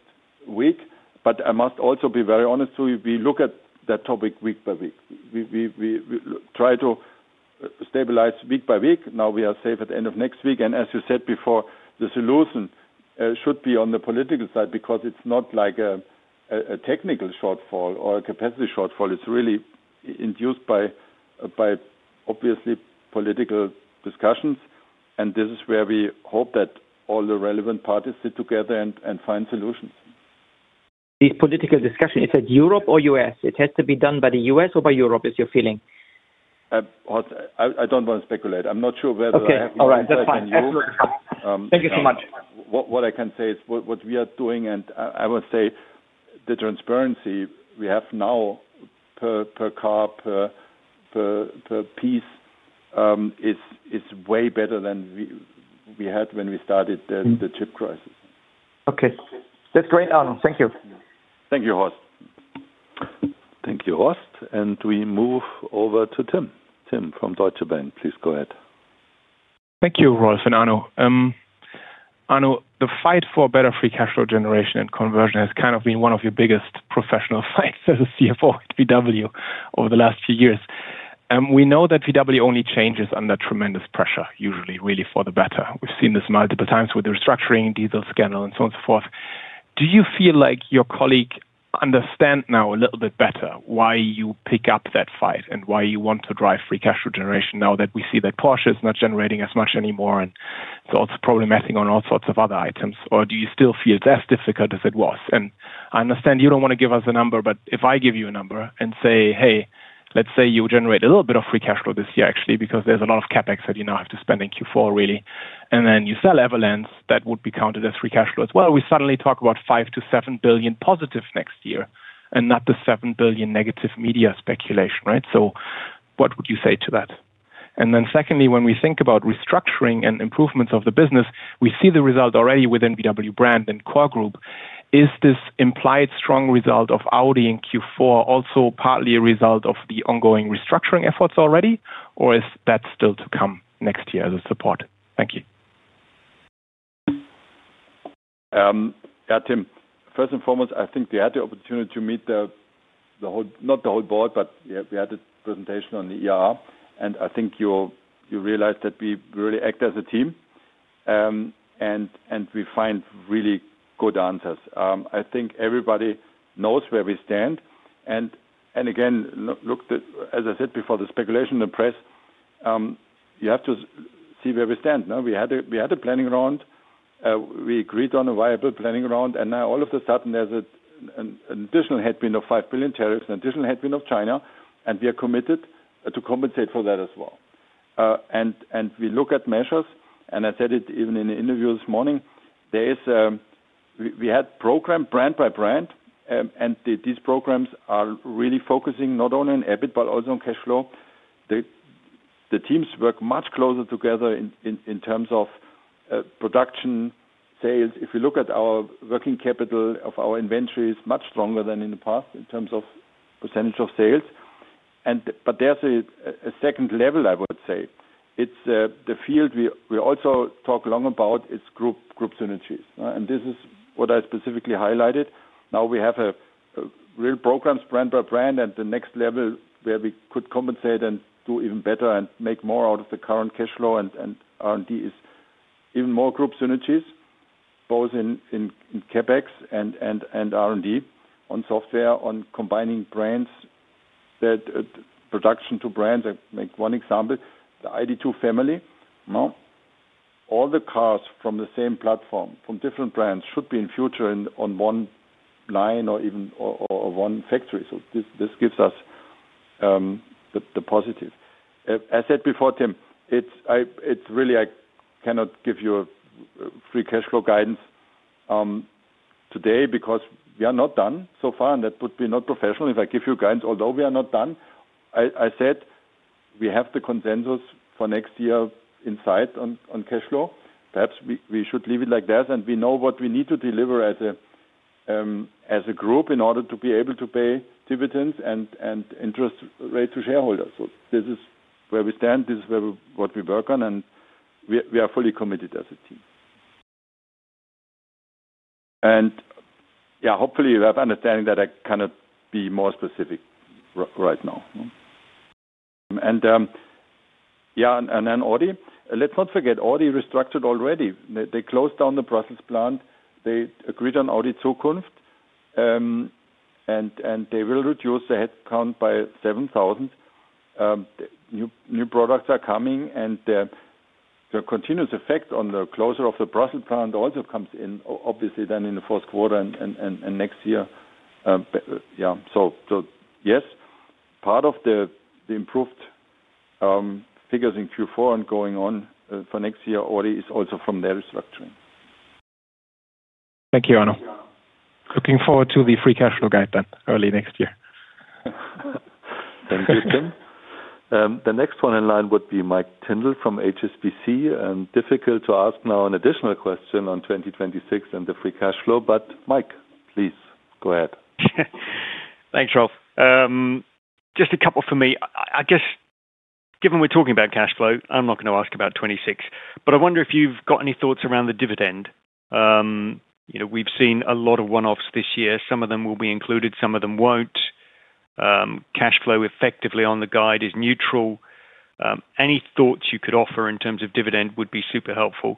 week. I must also be very honest to you, we look at that topic week by week. We try to stabilize week by week. Now we are safe at the end of next week. As you said before, the solution should be on the political side because it's not like a technical shortfall or a capacity shortfall. It's really induced by obviously political discussions. This is where we hope that all the relevant parties sit together and find solutions. These political discussions, is that Europe or U.S.? It has to be done by the U.S. or by Europe is your feeling? I don't want to speculate. I'm not sure whether I have the answer to you. Okay. All right. That's fine. Thank you so much. What I can say is what we are doing, and I will say the transparency we have now per car, per piece, is way better than we had when we started the chip crisis. Okay. That's great, Arno. Thank you. Thank you, Horst. Thank you, Horst. We move over to Tim. Tim from Deutsche Bank, please go ahead. Thank you, Rolf and Arno. Arno, the fight for better free cash flow generation and conversion has kind of been one of your biggest professional fights as a CFO at Volkswagen AG over the last few years. We know that Volkswagen AG only changes under tremendous pressure, usually really for the better. We've seen this multiple times with the restructuring, diesel scandal, and so on and so forth. Do you feel like your colleague understands now a little bit better why you pick up that fight and why you want to drive free cash flow generation now that we see that Porsche is not generating as much anymore and it's also problematic on all sorts of other items? Do you still feel it's as difficult as it was? I understand you don't want to give us a number, but if I give you a number and say, hey, let's say you generate a little bit of free cash flow this year, actually, because there's a lot of CapEx that you now have to spend in Q4, really. If you sell Everlands, that would be counted as free cash flow as well. We suddenly talk about $5 billion to $7 billion positive next year and not the $7 billion negative media speculation, right? What would you say to that? Secondly, when we think about restructuring and improvements of the business, we see the result already within Volkswagen Passenger Cars Brand and Core Group. Is this implied strong result of Audi in Q4 also partly a result of the ongoing restructuring efforts already, or is that still to come next year as a support? Thank you. Yeah, Tim. First and foremost, I think we had the opportunity to meet the whole, not the whole board, but we had a presentation on the, and I think you realized that we really act as a team, and we find really good answers. I think everybody knows where we stand. Again, look, as I said before, the speculation in the press, you have to see where we stand. We had a planning round. We agreed on a viable planning round, and now all of a sudden, there's an additional headwind of $5 billion tariffs, an additional headwind of China, and we are committed to compensate for that as well. We look at measures, and I said it even in the interview this morning. We had programs brand by brand, and these programs are really focusing not only on EBIT, but also on cash flow. The teams work much closer together in terms of production, sales. If you look at our working capital of our inventories, much stronger than in the past in terms of percentage of sales. There's a second level, I would say. It's the field we also talk long about, it's group synergies. This is what I specifically highlighted. Now we have real programs brand by brand, and the next level where we could compensate and do even better and make more out of the current cash flow and R&D is even more group synergies, both in CapEx and R&D, on software, on combining brands, production to brands. I'll make one example. The ID.2 family, all the cars from the same platform, from different brands, should be in the future on one line or even one factory. This gives us the positive. As I said before, Tim, I cannot give you a free cash flow guidance today because we are not done so far, and that would be not professional if I give you guidance. Although we are not done, I said we have the consensus for next year in sight on cash flow. Perhaps we should leave it like that, and we know what we need to deliver as a group in order to be able to pay dividends and interest rates to shareholders. This is where we stand. This is what we work on, and we are fully committed as a team. Hopefully, you have an understanding that I cannot be more specific right now. Then Audi, let's not forget Audi restructured already. They closed down the Brussels plant. They agreed on Audi Zukunft, and they will reduce the headcount by 7,000. New products are coming, and the continuous effect on the closure of the Brussels plant also comes in, obviously, then in the fourth quarter and next year. Yes, part of the improved figures in Q4 and going on for next year already is also from their restructuring. Thank you, Arno. Looking forward to the free cash flow guide early next year. Thank you, Tim. The next one in line would be Michael Tyndall from HSBC Global Investment Research. Difficult to ask now an additional question on 2026 and the free cash flow, but Michael, please go ahead. Thanks, Rolf. Just a couple for me. I guess given we're talking about cash flow, I'm not going to ask about 2026, but I wonder if you've got any thoughts around the dividend. You know, we've seen a lot of one-offs this year. Some of them will be included, some of them won't. Cash flow effectively on the guide is neutral. Any thoughts you could offer in terms of dividend would be super helpful.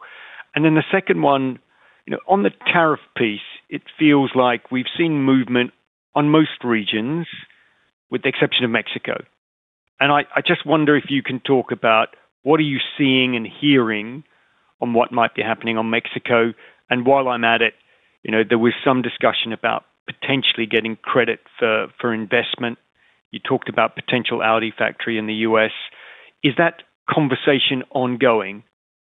The second one, you know, on the tariff piece, it feels like we've seen movement on most regions with the exception of Mexico. I just wonder if you can talk about what are you seeing and hearing on what might be happening on Mexico. While I'm at it, you know, there was some discussion about potentially getting credit for investment. You talked about potential Audi factory in the U.S. Is that conversation ongoing?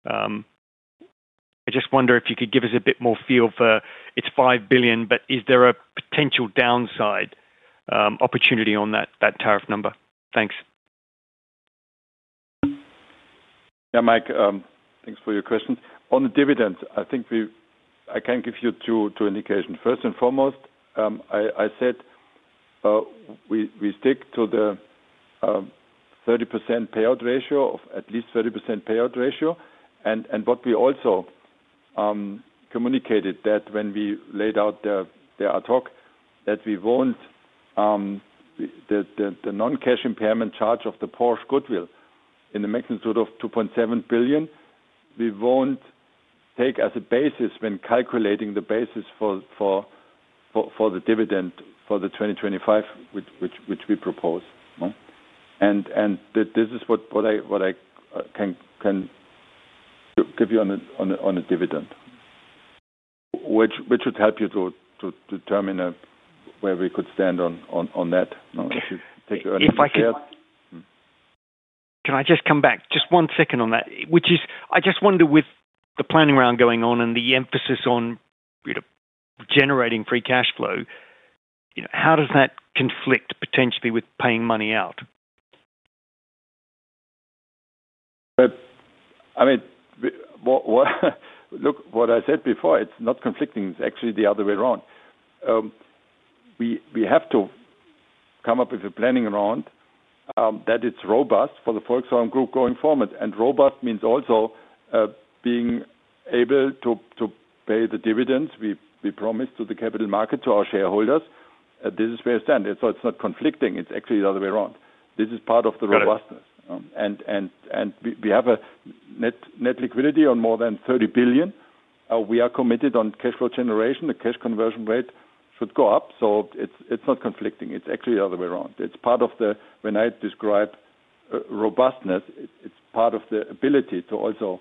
I just wonder if you could give us a bit more feel for it's $5 billion, but is there a potential downside opportunity on that tariff number? Thanks. Yeah, Mike, thanks for your question. On the dividends, I think I can give you two indications. First and foremost, I said we stick to the 30% payout ratio, at least 30% payout ratio. What we also communicated when we laid out the ad hoc is that we won't take the non-cash impairment charge of the Porsche goodwill in the magnitude of 2.7 billion as a basis when calculating the basis for the dividend for 2025, which we propose. This is what I can give you on a dividend, which would help you to determine where we could stand on that. If I can just come back just one second on that, which is I just wonder with the planning round going on and the emphasis on, you know, generating free cash flow, you know, how does that conflict potentially with paying money out? I mean, look, what I said before, it's not conflicting. It's actually the other way around. We have to come up with a planning round that is robust for the Volkswagen Group going forward. Robust means also being able to pay the dividends we promised to the capital market, to our shareholders. This is where it stands. It's not conflicting. It's actually the other way around. This is part of the robustness. We have a net liquidity of more than $30 billion. We are committed on cash flow generation. The cash conversion rate should go up. It's not conflicting. It's actually the other way around. It's part of the, when I describe robustness, it's part of the ability to also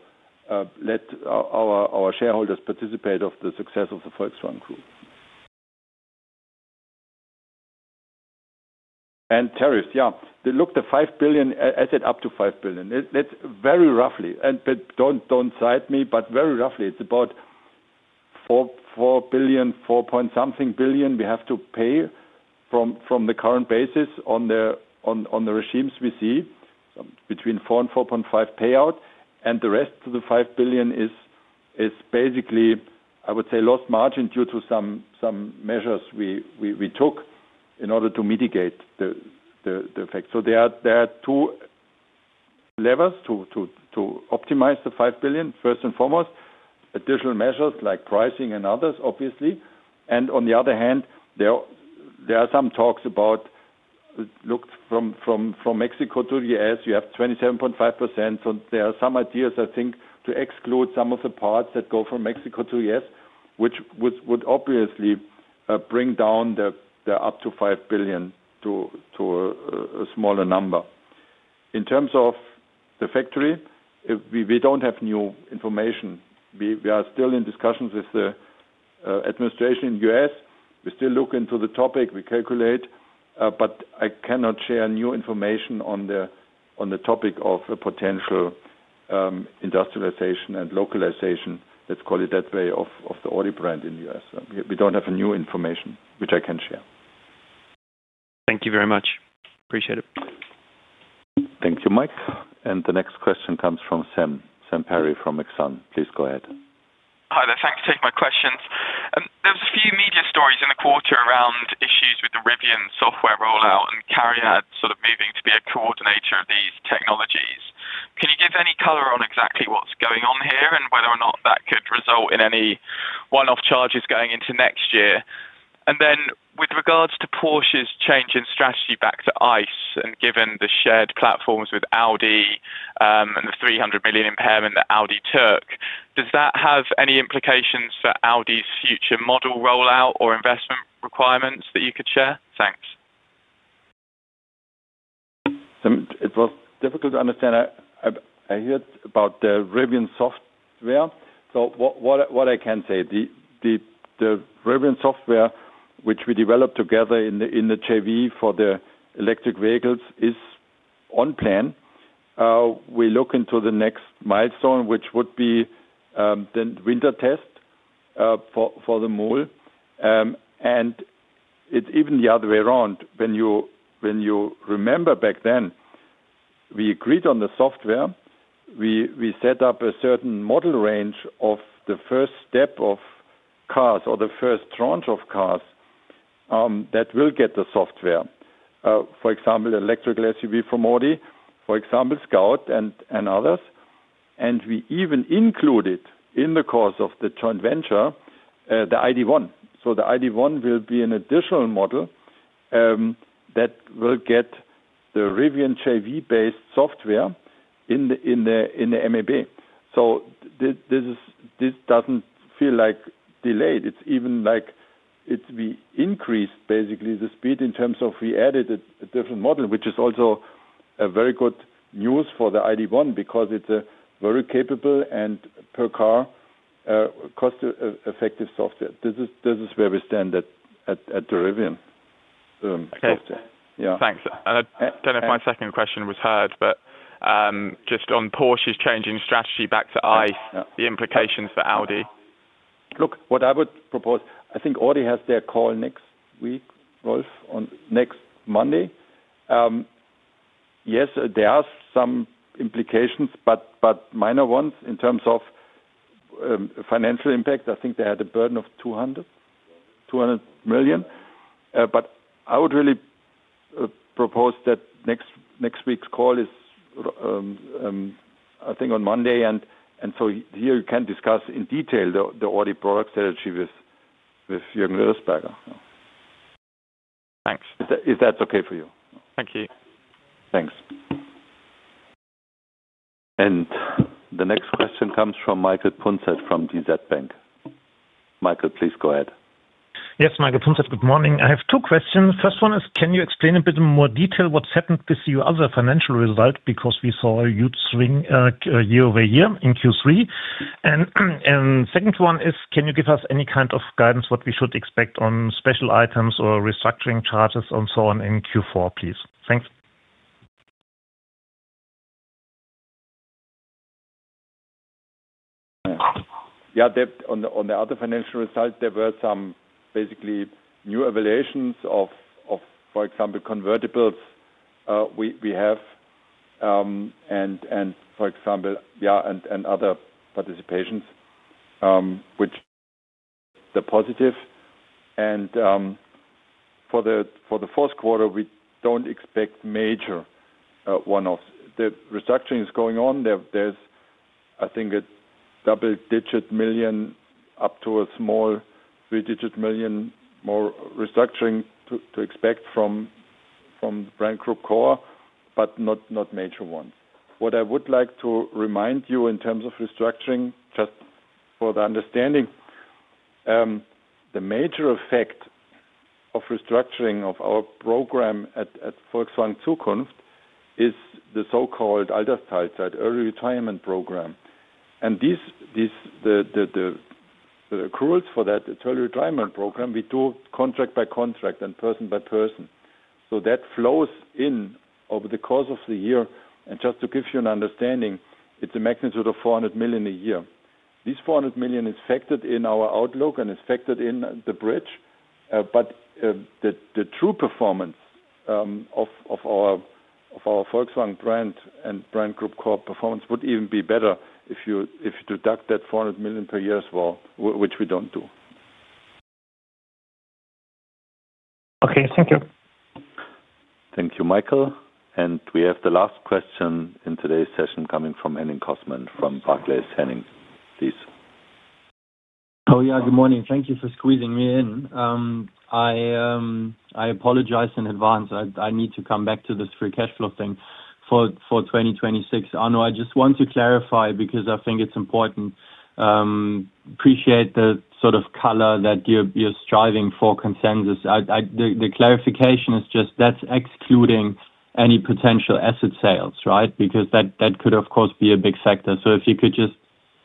let our shareholders participate in the success of the Volkswagen Group. Tariffs, yeah. Look, the $5 billion, I said up to $5 billion. That's very roughly. Don't cite me, but very roughly, it's about $4 billion, $4 point something billion we have to pay from the current basis on the regimes we see, between $4 and $4.5 billion payout. The rest of the $5 billion is basically, I would say, lost margin due to some measures we took in order to mitigate the effect. There are two levers to optimize the $5 billion. First and foremost, additional measures like pricing and others, obviously. On the other hand, there are some talks about, look, from Mexico to the U.S., you have 27.5%. There are some ideas, I think, to exclude some of the parts that go from Mexico to the U.S., which would obviously bring down the up to $5 billion to a smaller number. In terms of the factory, we don't have new information. We are still in discussions with the administration in the U.S. We still look into the topic. We calculate. I cannot share new information on the topic of a potential industrialization and localization, let's call it that way, of the Audi brand in the U.S. We don't have new information which I can share. Thank you very much. Appreciate it. Thank you, Mike. The next question comes from Sam. Sam Perry from Exane BNP Paribas. Please go ahead. Hi, there. Thanks for taking my questions. There were a few media stories in the quarter around issues with the Rivian software rollout and Carrier sort of moving to be a coordinator of these technologies. Can you give any color on exactly what's going on here and whether or not that could result in any one-off charges going into next year? With regards to Porsche's change in strategy back to ICE and given the shared platforms with Audi and the $300 million impairment that Audi took, does that have any implications for Audi's future model rollout or investment requirements that you could share? Thanks. It was difficult to understand. I hear about the Rivian software. What I can say, the Rivian software, which we developed together in the JV for the electric vehicles, is on plan. We look into the next milestone, which would be the winter test for the model. It's even the other way around. When you remember back then, we agreed on the software. We set up a certain model range of the first step of cars or the first tranche of cars that will get the software. For example, electric SUV from Audi, for example, Scout and others. We even included in the course of the joint venture, the ID.1. The ID.1 will be an additional model that will get the Rivian JV-based software in the MEB. This doesn't feel like delayed. It's even like we increased basically the speed in terms of we added a different model, which is also very good news for the ID.1 because it's a very capable and per car cost-effective software. This is where we stand at the Rivian software. Yeah. Thanks. I don't know if my second question was heard, but just on Porsche's change in strategy back to ICE, the implications for Audi. Look, what I would propose, I think Audi has their call next week, Rolf, on next Monday. Yes, there are some implications, but minor ones in terms of financial impact. I think they had a burden of $200 million. I would really propose that next week's call is, I think, on Monday. Here you can discuss in detail the Audi product strategy with Jürgen Rösberger. Thanks. If that's okay for you. Thank you. Thanks. The next question comes from Michael Götzel from DZ Bank. Michael, please go ahead. Yes, Michael Götzel. Good morning. I have two questions. First one is, can you explain a bit in more detail what's happened this year as a financial result because we saw a huge swing year-over-year in Q3? The second one is, can you give us any kind of guidance what we should expect on special items or restructuring charges and so on in Q4, please? Thanks. Yeah, on the other financial result, there were some basically new evaluations of, for example, convertibles we have, and, for example, other participations, which are positive. For the fourth quarter, we don't expect major one-offs. The restructuring is going on. There's, I think, a double-digit million, up to a small three-digit million more restructuring to expect from the Brand Group Corp, but not major ones. What I would like to remind you in terms of restructuring, just for the understanding, the major effect of restructuring of our program at Volkswagen Zukunft is the so-called Altersteilzeit, early retirement program. The accruals for that early retirement program, we do contract by contract and person by person. That flows in over the course of the year. Just to give you an understanding, it's a magnitude of $400 million a year. This $400 million is factored in our outlook and is factored in the bridge. The true performance of our Volkswagen brand and Brand Group Corp performance would even be better if you deduct that $400 million per year as well, which we don't do. Okay. Thank you. Thank you, Michael. We have the last question in today's session coming from Henning Cosman from Barclays. Henning, please. Oh, yeah. Good morning. Thank you for squeezing me in. I apologize in advance. I need to come back to this free cash flow thing for 2026. Arno, I just want to clarify because I think it's important. Appreciate the sort of color that you're striving for consensus. The clarification is just that's excluding any potential asset sales, right? Because that could, of course, be a big factor. If you could just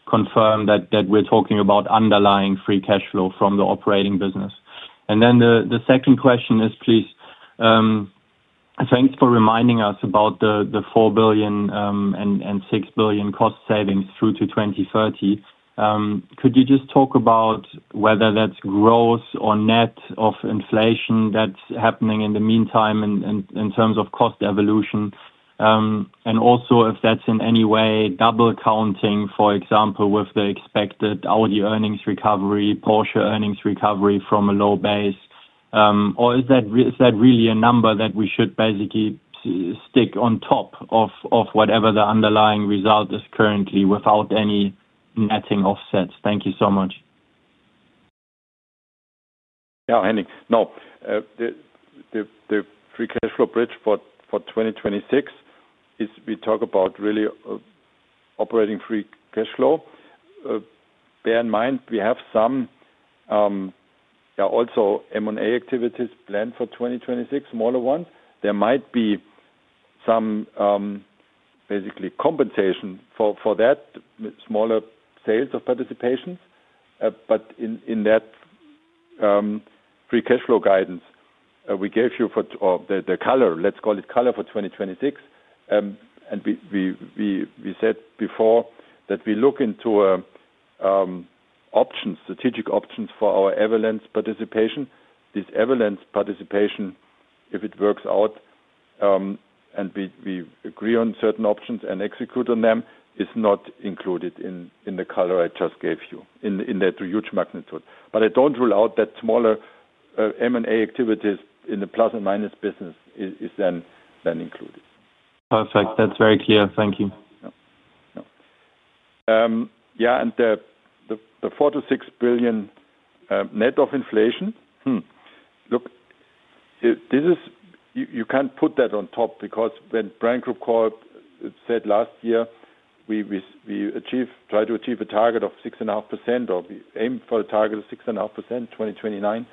confirm that we're talking about underlying free cash flow from the operating business. The second question is, please, thanks for reminding us about the $4 billion and $6 billion cost savings through to 2030. Could you just talk about whether that's growth or net of inflation that's happening in the meantime in terms of cost evolution? Also, if that's in any way double counting, for example, with the expected Audi earnings recovery, Porsche earnings recovery from a low base? Or is that really a number that we should basically stick on top of whatever the underlying result is currently without any netting offsets? Thank you so much. Yeah, Henning. No, the free cash flow bridge for 2026 is we talk about really operating free cash flow. Bear in mind, we have some, yeah, also M&A activities planned for 2026, smaller ones. There might be some basically compensation for that, smaller sales of participations. In that free cash flow guidance, we gave you for the color, let's call it color for 2026. We said before that we look into options, strategic options for our Everlands participation. This Everlands participation, if it works out and we agree on certain options and execute on them, is not included in the color I just gave you in that huge magnitude. I don't rule out that smaller M&A activities in the plus and minus business is then included. Perfect. That's very clear. Thank you. Yeah. Yeah. And the $4-$6 billion net of inflation. Look, you can't put that on top because when Brand Group Corp said last year, we try to achieve a target of 6.5% or we aim for a target of 6.5% in 2029.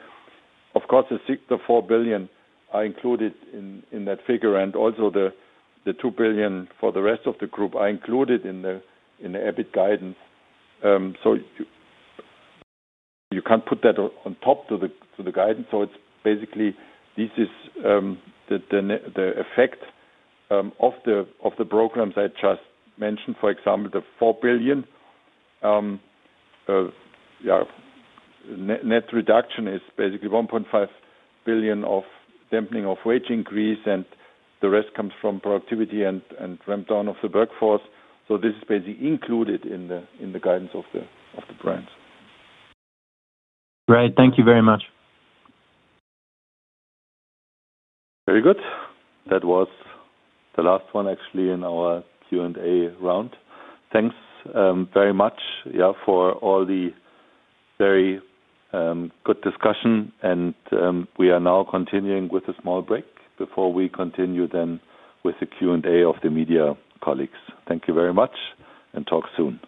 Of course, the $4 billion are included in that figure. Also, the $2 billion for the rest of the group are included in the EBIT guidance. You can't put that on top to the guidance. It's basically, this is the effect of the programs I just mentioned. For example, the $4 billion net reduction is basically $1.5 billion of dampening of wage increase, and the rest comes from productivity and ramp-down of the workforce. This is basically included in the guidance of the brands. Great, thank you very much. Very good. That was the last one, actually, in our Q&A round. Thanks very much, yeah, for all the very good discussion. We are now continuing with a small break before we continue then with the Q&A of the media colleagues. Thank you very much and talk soon.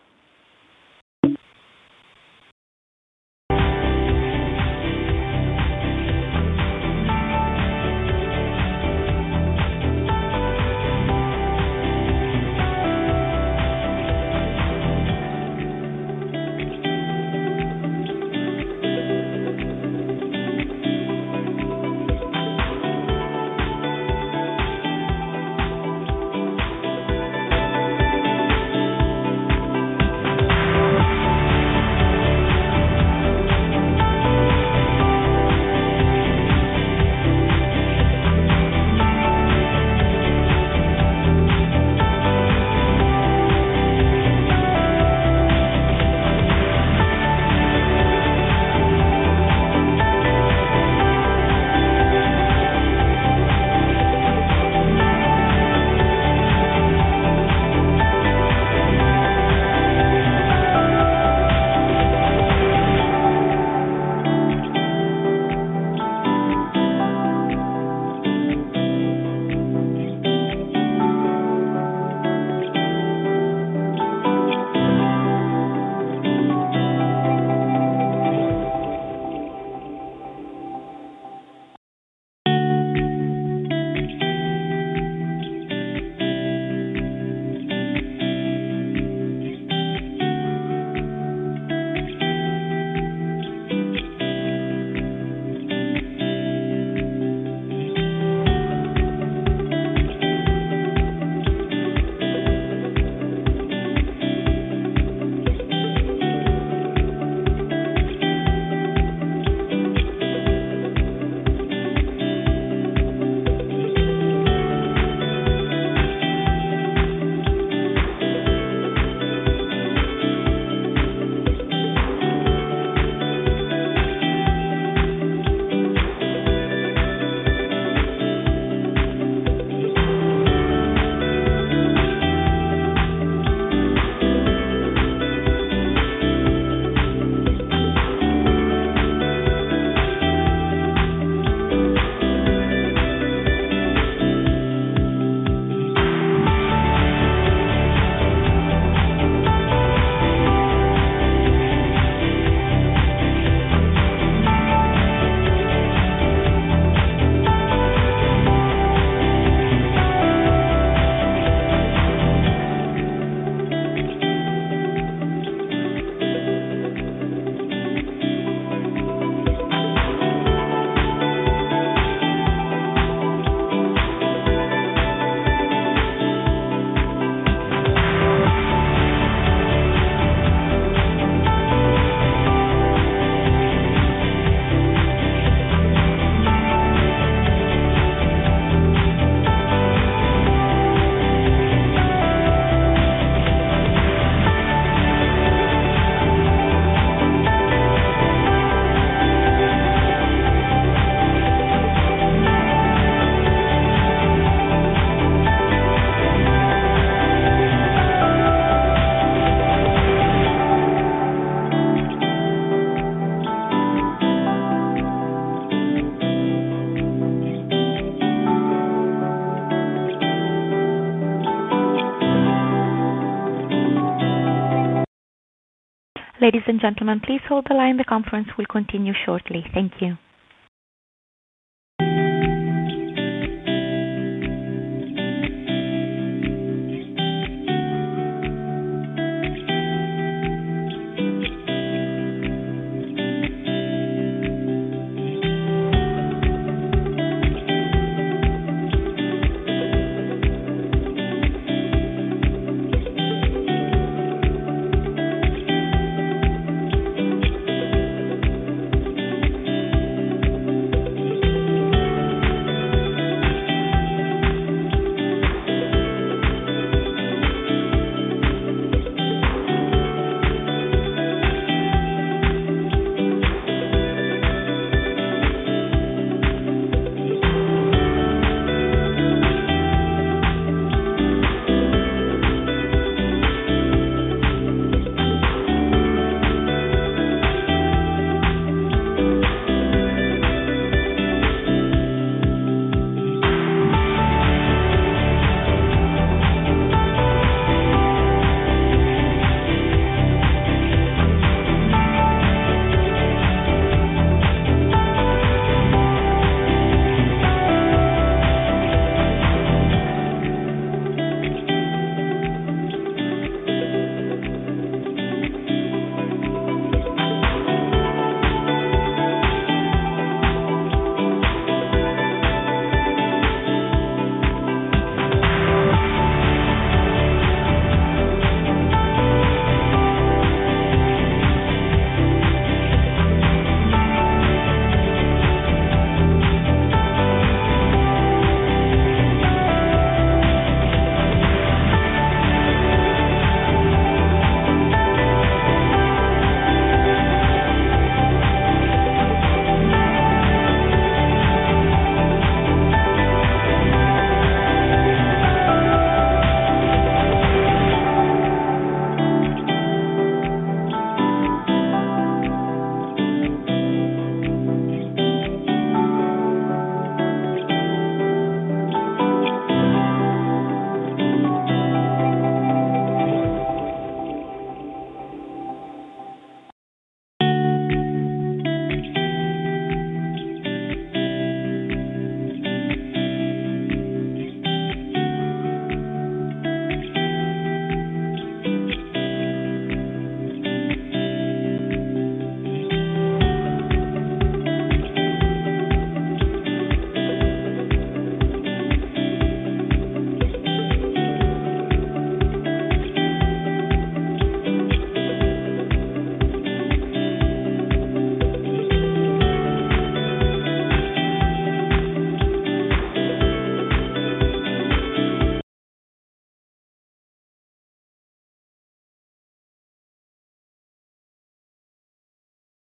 Ladies and gentlemen, please hold the line. The conference will continue shortly. Thank you.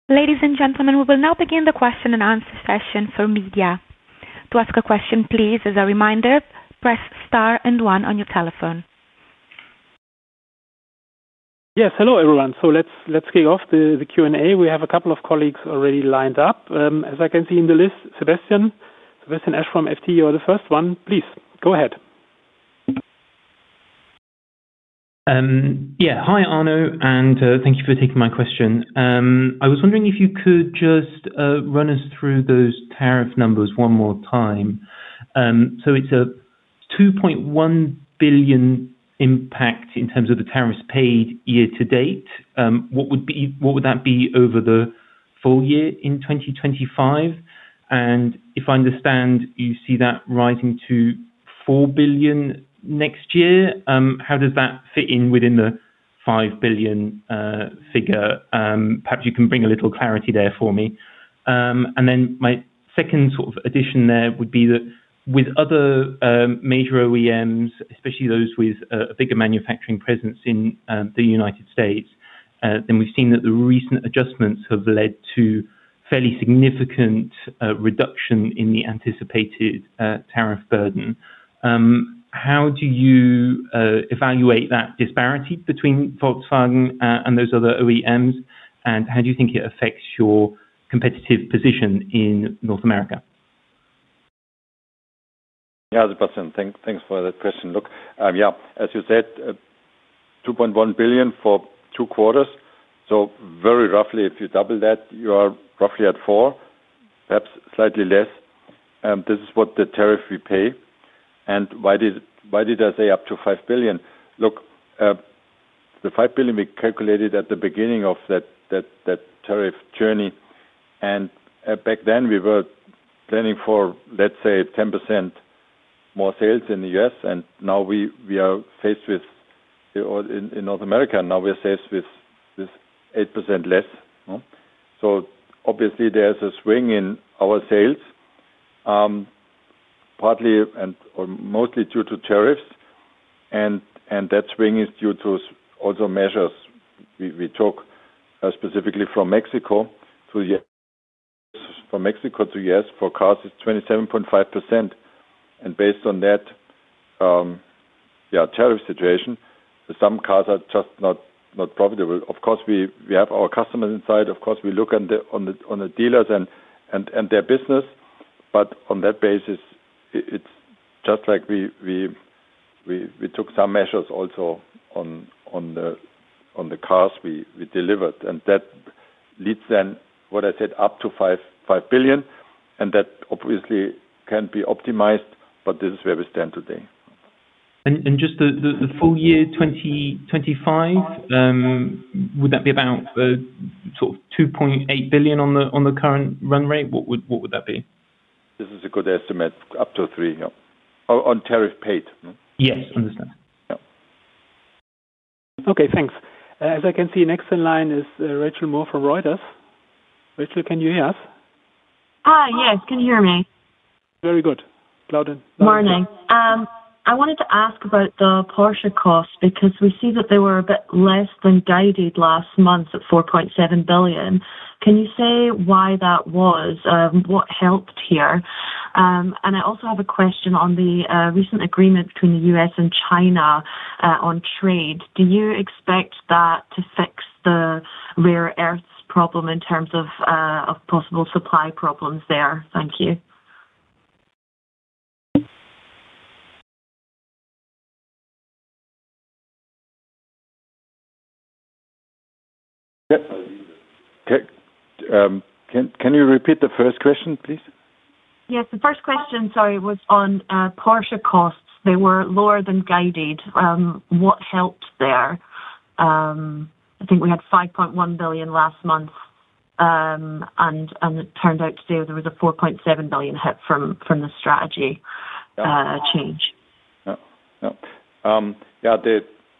Ladies and gentlemen, we will now begin the question and answer session for media. To ask a question, please, as a reminder, press star and one on your telephone. Yes. Hello, everyone. Let's kick off the Q&A. We have a couple of colleagues already lined up. As I can see in the list, Sebastian. Sebastian Ash from Financial Times, you're the first one. Please, go ahead. Yeah. Hi, Arno, and thank you for taking my question. I was wondering if you could just run us through those tariff numbers one more time. It's a $2.1 billion impact in terms of the tariffs paid year to date. What would that be over the full year in 2025? If I understand, you see that rising to $4 billion next year. How does that fit in within the $5 billion figure? Perhaps you can bring a little clarity there for me. My second sort of addition there would be that with other major OEMs, especially those with a bigger manufacturing presence in the U.S., we've seen that the recent adjustments have led to a fairly significant reduction in the anticipated tariff burden. How do you evaluate that disparity between Volkswagen and those other OEMs? How do you think it affects your competitive position in North America? Yeah, the question. Thanks for the question. Look, yeah, as you said, $2.1 billion for two quarters. Very roughly, if you double that, you are roughly at $4 billion, perhaps slightly less. This is what the tariff we pay. Why did I say up to $5 billion? The $5 billion we calculated at the beginning of that tariff journey. Back then, we were planning for, let's say, 10% more sales in the U.S. Now we are faced with, in North America, now we are faced with 8% less. Obviously, there is a swing in our sales, partly and mostly due to tariffs. That swing is due to also measures we took specifically from Mexico to, yes. For cars, it's 27.5%. Based on that tariff situation, some cars are just not profitable. Of course, we have our customers inside. Of course, we look on the dealers and their business. On that basis, it's just like we took some measures also on the cars we delivered. That leads then, what I said, up to $5 billion. That obviously can be optimized, but this is where we stand today. For the full year 2025, would that be about $2.8 billion on the current run rate? What would that be? This is a good estimate, up to three, yeah, on tariff paid. Yes, understood. Yeah. Okay. Thanks. As I can see, next in line is Rachel More from Thomson Reuters. Rachel, can you hear us? Hi. Yes, can you hear me? Very good. Loud and clear. Morning. I wanted to ask about the Porsche costs because we see that they were a bit less than guided last month at 4.7 billion. Can you say why that was? What helped here? I also have a question on the recent agreement between the U.S. and China on trade. Do you expect that to fix the Rare Earths problem in terms of possible supply problems there? Thank you. Can you repeat the first question, please? Yes. The first question, sorry, was on Porsche costs. They were lower than guided. What helped there? I think we had 5.1 billion last month, and it turned out today there was a 4.7 billion hit from the strategy change. Yeah. Yeah. Yeah.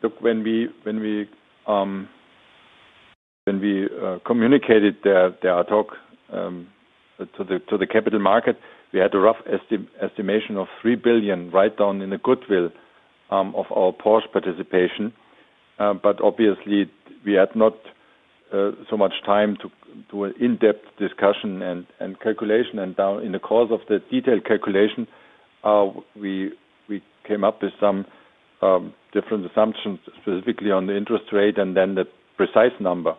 Look, when we communicated our talk to the capital market, we had a rough estimation of $3 billion write-down in the goodwill of our Porsche participation. Obviously, we had not so much time to do an in-depth discussion and calculation. In the course of the detailed calculation, we came up with some different assumptions, specifically on the interest rate. The precise number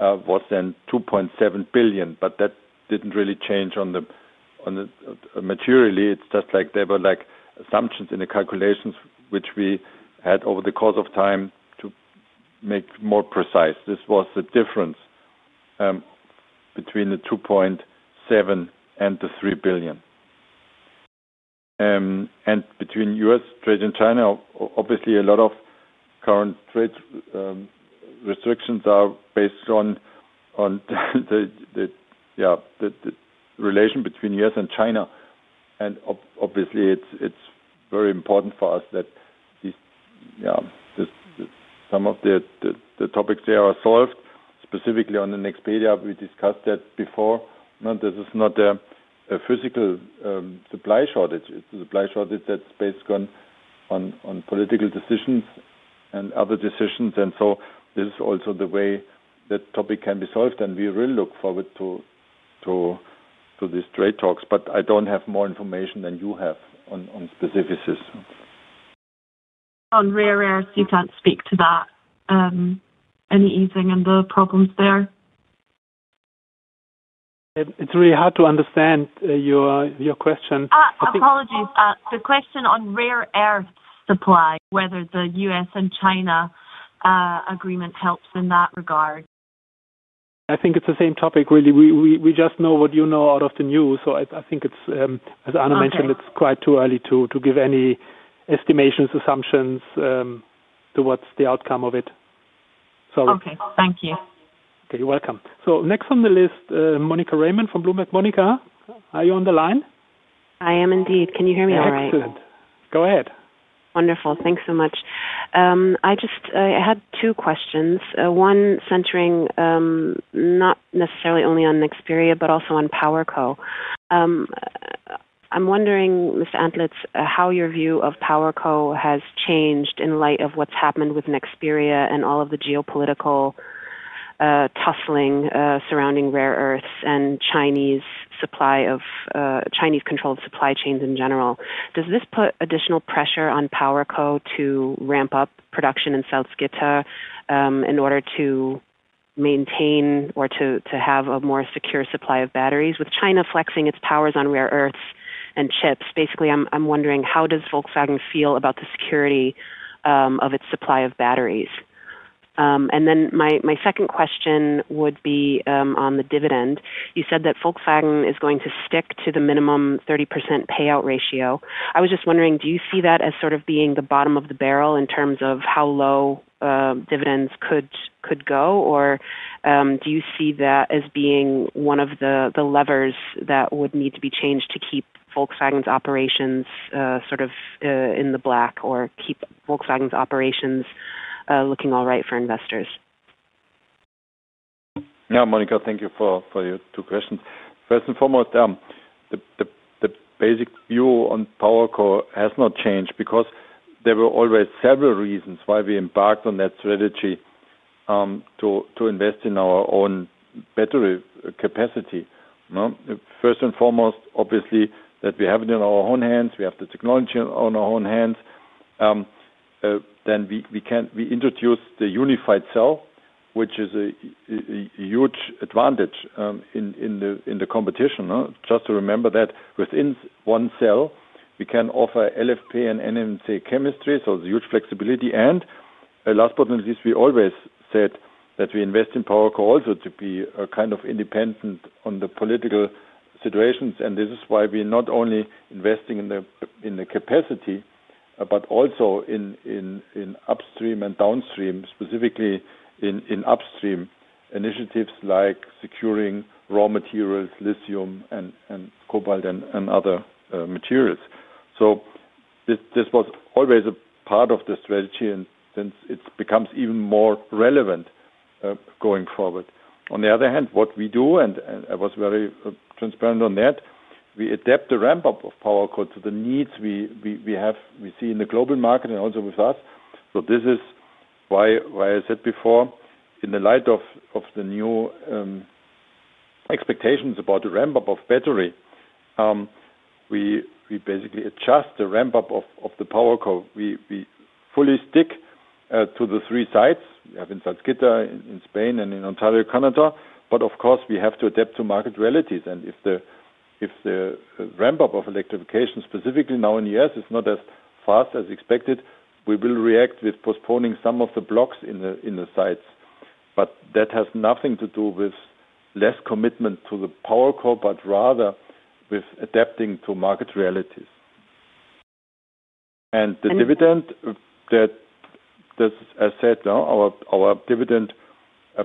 was then $2.7 billion. That didn't really change materially. It's just like there were assumptions in the calculations which we had over the course of time to make more precise. This was the difference between the $2.7 billion and the $3 billion. Between U.S. trade and China, obviously, a lot of current trade restrictions are based on the relation between the U.S. and China. Obviously, it's very important for us that some of the topics there are solved. Specifically on the next media, we discussed that before. This is not a physical supply shortage. It's a supply shortage that's based on political decisions and other decisions. This is also the way that topic can be solved. We really look forward to these trade talks. I don't have more information than you have on specifics. On rare earths, you can't speak to that. Any easing in the problems there? It's really hard to understand your question. Apologies. The question on rare earths supply, whether the U.S. and China agreement helps in that regard. I think it's the same topic, really. We just know what you know out of the news. I think it's, as Arno Antlitz mentioned, it's quite too early to give any estimations, assumptions to what's the outcome of it. Okay. Thank you. Okay. You're welcome. Next on the list, Monica Raymunt from Bloomberg. Monica, are you on the line? I am indeed. Can you hear me all right? Excellent. Go ahead. Wonderful. Thanks so much. I just had two questions, one centering not necessarily only on Nexperia, but also on PowerCo. I'm wondering, Mr. Antlitz, how your view of PowerCo has changed in light of what's happened with Nexperia and all of the geopolitical tussling surrounding Rare Earths and Chinese supply of Chinese control of supply chains in general. Does this put additional pressure on PowerCo to ramp up production in South Gitta in order to maintain or to have a more secure supply of batteries? With China flexing its powers on Rare Earths and chips, basically, I'm wondering, how does Volkswagen feel about the security of its supply of batteries? My second question would be on the dividend. You said that Volkswagen is going to stick to the minimum 30% payout ratio. I was just wondering, do you see that as sort of being the bottom of the barrel in terms of how low dividends could go? Or do you see that as being one of the levers that would need to be changed to keep Volkswagen's operations sort of in the black or keep Volkswagen's operations looking all right for investors? Yeah, Monica, thank you for your two questions. First and foremost, the basic view on PowerCo has not changed because there were always several reasons why we embarked on that strategy to invest in our own battery capacity. First and foremost, obviously, that we have it in our own hands. We have the technology in our own hands. Then we introduced the unified cell, which is a huge advantage in the competition. Just to remember that within one cell, we can offer LFP and NMC chemistry. It's a huge flexibility. Last but not least, we always said that we invest in PowerCo also to be kind of independent on the political situations. This is why we're not only investing in the capacity, but also in upstream and downstream, specifically in upstream initiatives like securing raw materials, lithium, and cobalt, and other materials. This was always a part of the strategy, and it becomes even more relevant going forward. On the other hand, what we do, and I was very transparent on that, we adapt the ramp-up of PowerCo to the needs we see in the global market and also with us. This is why I said before, in light of the new expectations about the ramp-up of battery, we basically adjust the ramp-up of the PowerCo. We fully stick to the three sites. We have in Salzgitter, in Spain, and in Ontario, Canada. Of course, we have to adapt to market realities. If the ramp-up of electrification, specifically now in the U.S., is not as fast as expected, we will react with postponing some of the blocks in the sites. That has nothing to do with less commitment to the PowerCo, but rather with adapting to market realities. The dividend, as I said, our dividend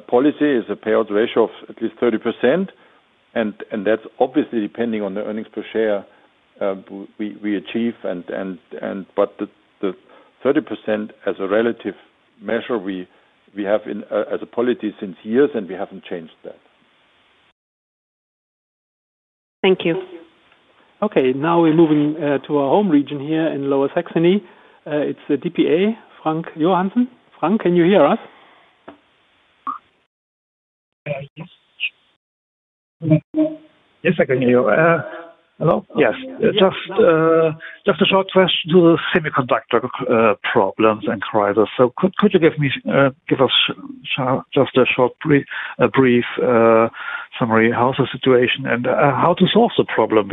policy is a payout ratio of at least 30%. That's obviously depending on the earnings per share we achieve. The 30% as a relative measure, we have as a policy for years, and we haven't changed that. Thank you. Okay. Now we're moving to our home region here in Lower Saxony. It's the DPA, Frank Johansen. Frank, can you hear us? Yes, I can hear you. Hello? Yes. Just a short question to the semiconductor problems and crisis. Could you give us just a short, brief summary of how's the situation and how to solve the problem?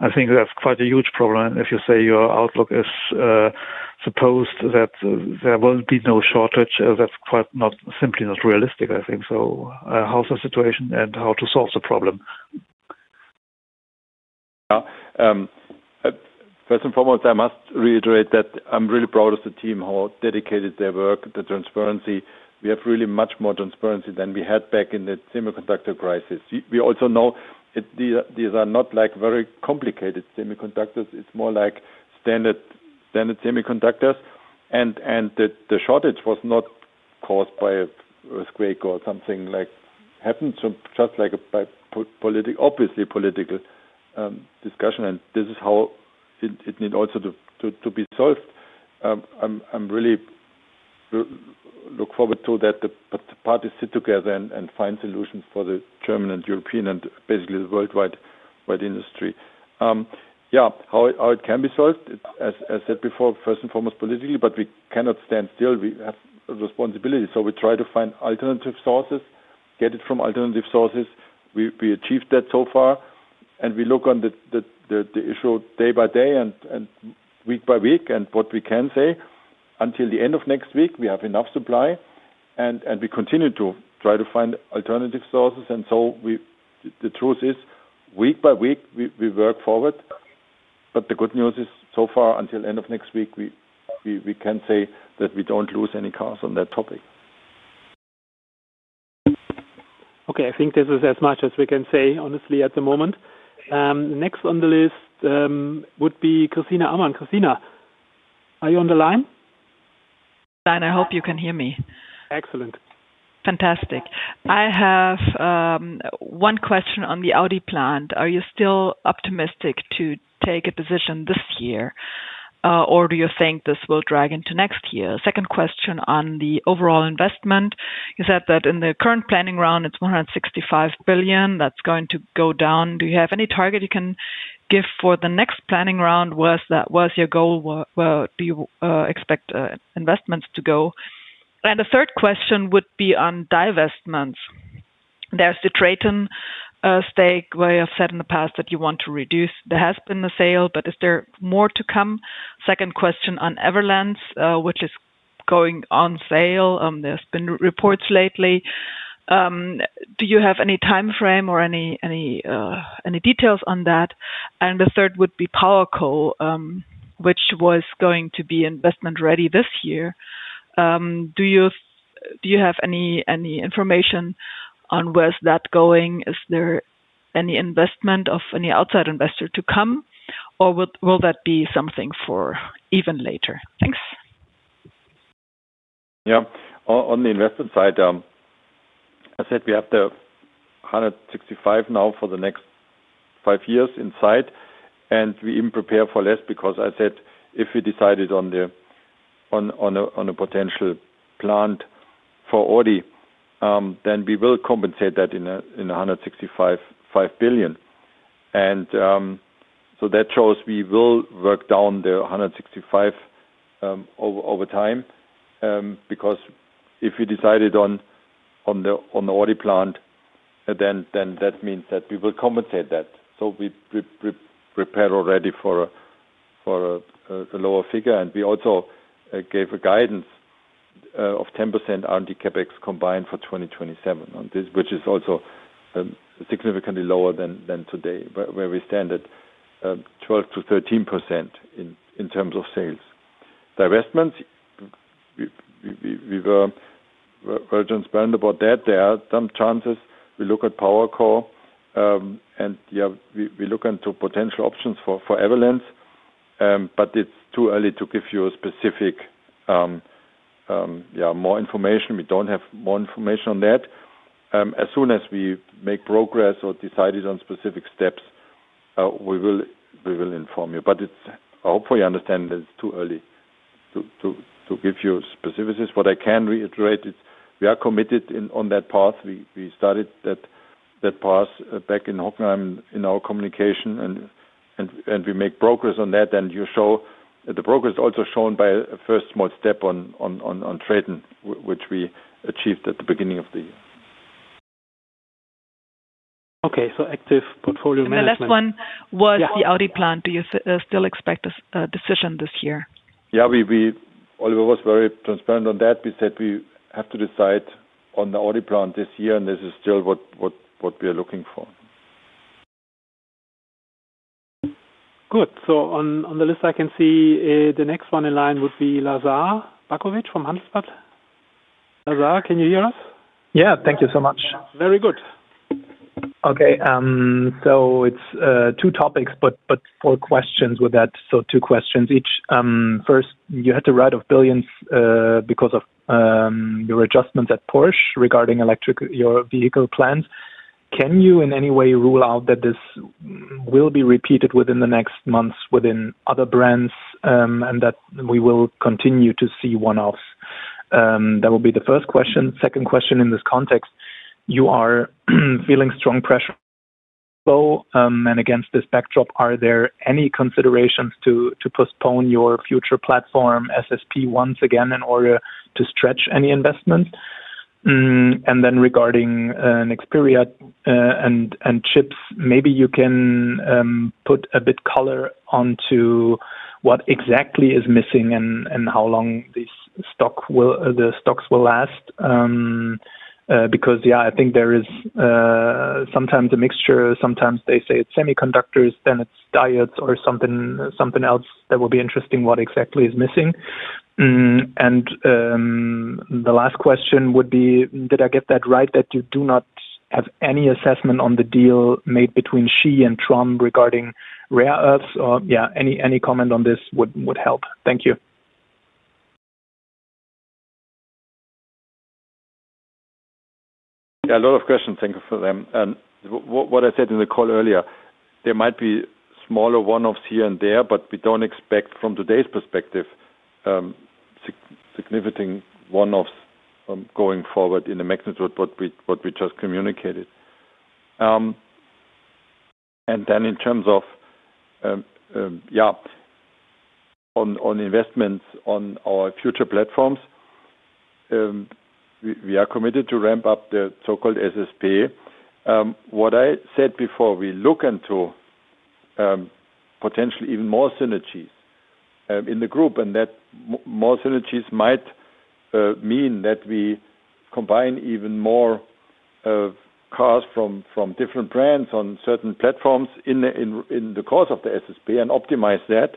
I think that's quite a huge problem. If you say your outlook is supposed that there won't be no shortage, that's quite simply not realistic, I think. How's the situation and how to solve the problem? Yeah. First and foremost, I must reiterate that I'm really proud of the team, how dedicated they work, the transparency. We have really much more transparency than we had back in the semiconductor crisis. We also know that these are not like very complicated semiconductors. It's more like standard semiconductors. The shortage was not caused by an earthquake or something like happened, just like a political, obviously political discussion. This is how it needs also to be solved. I really look forward to the parties sitting together and finding solutions for the German and European and basically the worldwide industry. How it can be solved, as I said before, first and foremost, politically, but we cannot stand still. We have a responsibility. We try to find alternative sources, get it from alternative sources. We achieved that so far. We look on the issue day by day and week by week. What we can say, until the end of next week, we have enough supply. We continue to try to find alternative sources. The truth is, week by week, we work forward. The good news is, so far, until the end of next week, we can say that we don't lose any cars on that topic. Okay. I think this is as much as we can say, honestly, at the moment. Next on the list would be Christina Amann. Christina, are you on the line? Hi, Dan. I hope you can hear me. Excellent. Fantastic. I have one question on the Audi plant. Are you still optimistic to take a position this year, or do you think this will drag into next year? Second question on the overall investment. You said that in the current planning round, it's 165 billion. That's going to go down. Do you have any target you can give for the next planning round? Where's your goal? Where do you expect investments to go? The third question would be on divestments. There's the Traton stake, where you have said in the past that you want to reduce. There has been a sale, but is there more to come? Second question on Everlands, which is going on sale. There's been reports lately. Do you have any timeframe or any details on that? The third would be PowerCo, which was going to be investment-ready this year. Do you have any information on where's that going? Is there any investment of any outside investor to come, or will that be something for even later? Thanks. Yeah. On the investment side, I said we have the 165 billion now for the next five years inside. We even prepare for less because I said if we decided on a potential plant for Audi, then we will compensate that in the 165 billion. That shows we will work down the 165 billion over time. If we decided on the Audi plant, then that means that we will compensate that. We prepare already for a lower figure. We also gave a guidance of 10% R&D CapEx combined for 2027, which is also significantly lower than today, where we stand at 12% to 13% in terms of sales. Divestments, we were very transparent about that. There are some chances. We look at PowerCo. We look into potential options for Everlands. It's too early to give you more information. We don't have more information on that. As soon as we make progress or decided on specific steps, we will inform you. Hopefully you understand that it's too early to give you specifics. What I can reiterate is we are committed on that path. We started that path back in Hockenheim in our communication. We make progress on that. The progress is also shown by a first small step on Traton, which we achieved at the beginning of the year. Active portfolio management. The last one was the Audi plant. Do you still expect a decision this year? Yeah. Oliver was very transparent on that. We said we have to decide on the Audi plant this year. This is still what we are looking for. Good. On the list, I can see the next one in line would be Lazar Backovic from Handelsblatt. Lazar, can you hear us? Thank you so much. Very good. Okay. It's two topics, but four questions with that. Two questions each. First, you had to write off billions because of your adjustments at Porsche regarding your vehicle plans. Can you in any way rule out that this will be repeated within the next months within other brands and that we will continue to see one-offs? That will be the first question. Second question in this context, you are feeling strong pressure, and against this backdrop, are there any considerations to postpone your future platform SSP once again in order to stretch any investments? Regarding Nexperia and chips, maybe you can put a bit of color onto what exactly is missing and how long these stocks will last. I think there is sometimes a mixture. Sometimes they say it's semiconductors, then it's diodes or something else. That will be interesting what exactly is missing. The last question would be, did I get that right that you do not have any assessment on the deal made between Xi and Trump regarding Rare Earths? Any comment on this would help. Thank you. Yeah, a lot of questions. Thank you for them. What I said in the call earlier, there might be smaller one-offs here and there, but we don't expect from today's perspective significant one-offs going forward in the magnitude of what we just communicated. In terms of investments on our future platforms, we are committed to ramp up the so-called SSP. What I said before, we look into potentially even more synergies in the group. That more synergies might mean that we combine even more cars from different brands on certain platforms in the course of the SSP and optimize that.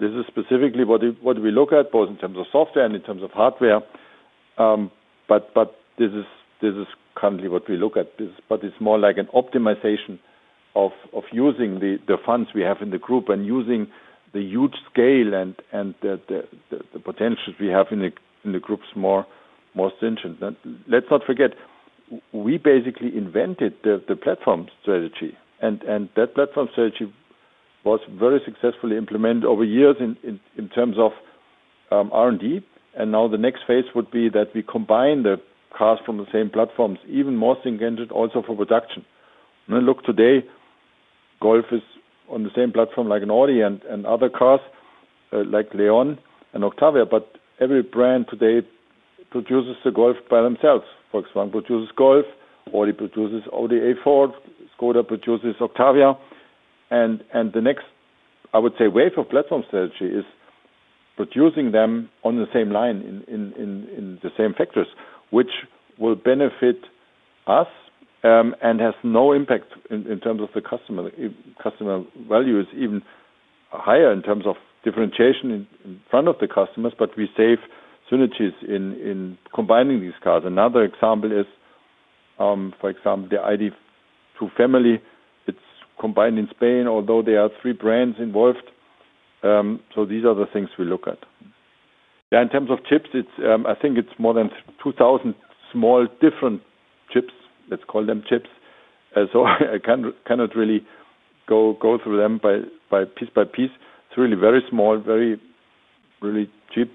This is specifically what we look at, both in terms of software and in terms of hardware. This is currently what we look at. It's more like an optimization of using the funds we have in the group and using the huge scale and the potentials we have in the group more stringent. Let's not forget, we basically invented the platform strategy. That platform strategy was very successfully implemented over years in terms of R&D. Now the next phase would be that we combine the cars from the same platforms, even more stringent also for production. Look, today, Golf is on the same platform like an Audi and other cars like Leon and Octavia. Every brand today produces the Golf by themselves. Volkswagen produces Golf. Audi produces Audi A4. Škoda produces Octavia. The next, I would say, wave of platform strategy is producing them on the same line in the same factories, which will benefit us and has no impact in terms of the customer. Customer value is even higher in terms of differentiation in front of the customers. We save synergies in combining these cars. Another example is, for example, the ID.2 family. It's combined in Spain, although there are three brands involved. These are the things we look at. In terms of chips, I think it's more than 2,000 small different chips. Let's call them chips. I cannot really go through them piece by piece. It's really very small, very really cheap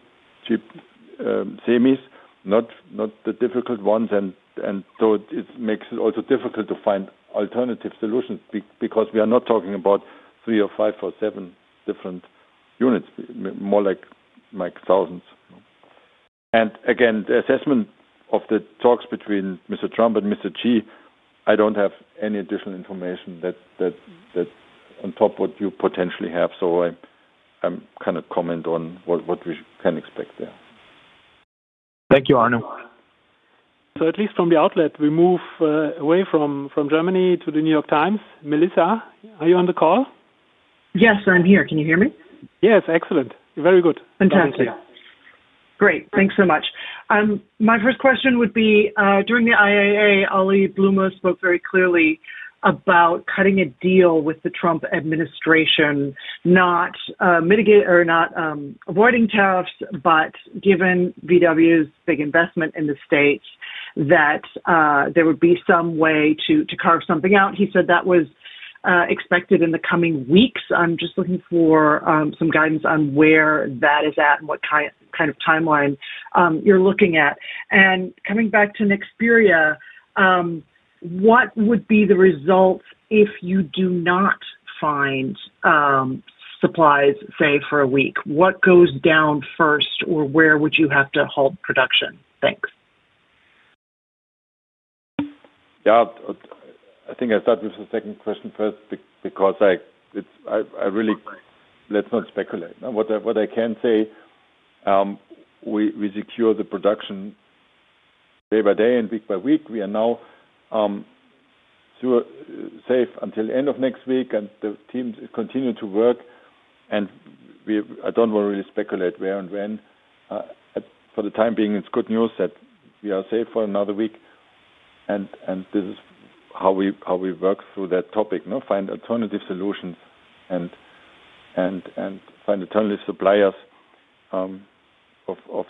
semis, not the difficult ones. It makes it also difficult to find alternative solutions because we are not talking about three or five or seven different units, more like thousands. Again, the assessment of the talks between Mr. Trump and Mr. Xi, I don't have any additional information that's on top of what you potentially have. I kind of comment on what we can expect there. Thank you, Arno. At least from the outlet, we move away from Germany to The New York Times. Melissa, are you on the call? Yes, I'm here. Can you hear me? Yes, excellent. Very good. Fantastic. Thank you. Great. Thanks so much. My first question would be, during the IAA, Oliver Blume spoke very clearly about cutting a deal with the Trump administration, not avoiding tariffs, but given Volkswagen's big investment in the U.S., that there would be some way to carve something out. He said that was expected in the coming weeks. I'm just looking for some guidance on where that is at and what kind of timeline you're looking at. Coming back to Nexperia, what would be the result if you do not find supplies, say, for a week? What goes down first or where would you have to halt production? Thanks. I think I start with the second question first because I really let's not speculate. What I can say, we secure the production day by day and week by week. We are now safe until the end of next week. The teams continue to work. I don't want to really speculate where and when. For the time being, it's good news that we are safe for another week. This is how we work through that topic, find alternative solutions, and find alternative suppliers of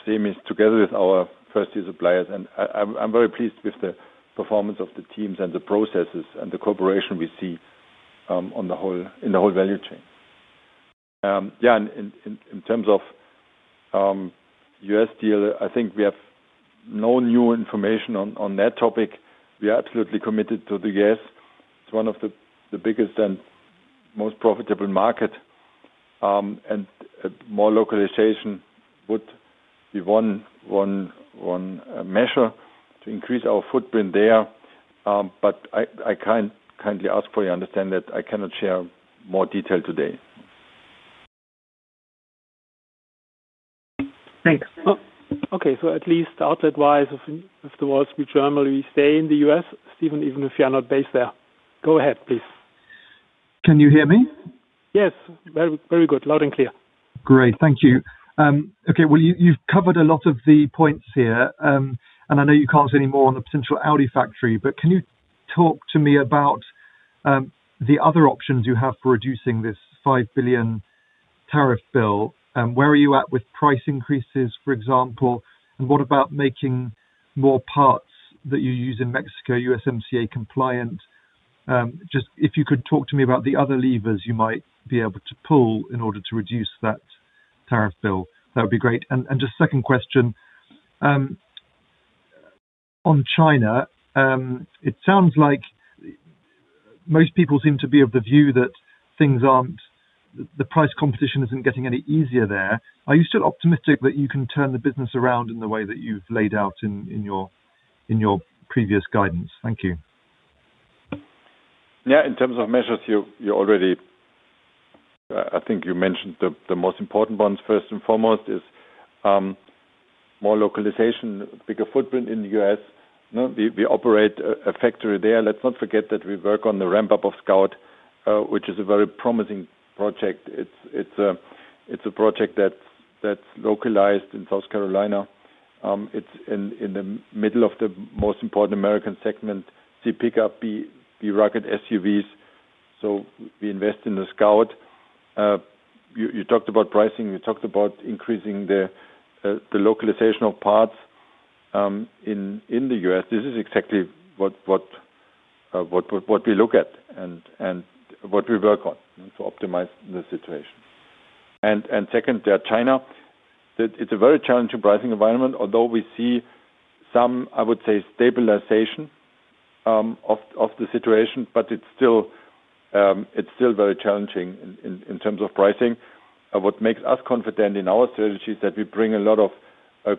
semis together with our first-tier suppliers. I'm very pleased with the performance of the teams, the processes, and the cooperation we see in the whole value chain. In terms of U.S. deal, I think we have no new information on that topic. We are absolutely committed to the U.S. It's one of the biggest and most profitable markets. More localization would be one measure to increase our footprint there. I kindly ask for your understanding that I cannot share more detail today. Thanks. Okay. At least outlet-wise, if the world's a big German, we stay in the U.S. Stephen, even if you are not based there. Go ahead, please. Can you hear me? Yes, very good. Loud and clear. Great. Thank you. Okay. You've covered a lot of the points here. I know you can't say any more on the potential Audi factory, but can you talk to me about the other options you have for reducing this $5 billion tariff bill? Where are you at with price increases, for example? What about making more parts that you use in Mexico, USMCA compliant? If you could talk to me about the other levers you might be able to pull in order to reduce that tariff bill, that would be great. Just second question. On China, it sounds like most people seem to be of the view that things aren't, the price competition isn't getting any easier there. Are you still optimistic that you can turn the business around in the way that you've laid out in your previous guidance? Thank you. Yeah. In terms of measures, you already, I think you mentioned the most important ones. First and foremost is more localization, bigger footprint in the U.S. We operate a factory there. Let's not forget that we work on the ramp-up of Scout, which is a very promising project. It's a project that's localized in South Carolina. It's in the middle of the most important American segment, C pickup, B rugged SUVs. We invest in the Scout. You talked about pricing. You talked about increasing the localization of parts in the U.S. This is exactly what we look at and what we work on to optimize the situation. Second, China, it's a very challenging pricing environment. Although we see some, I would say, stabilization of the situation, it's still very challenging in terms of pricing. What makes us confident in our strategy is that we bring a lot of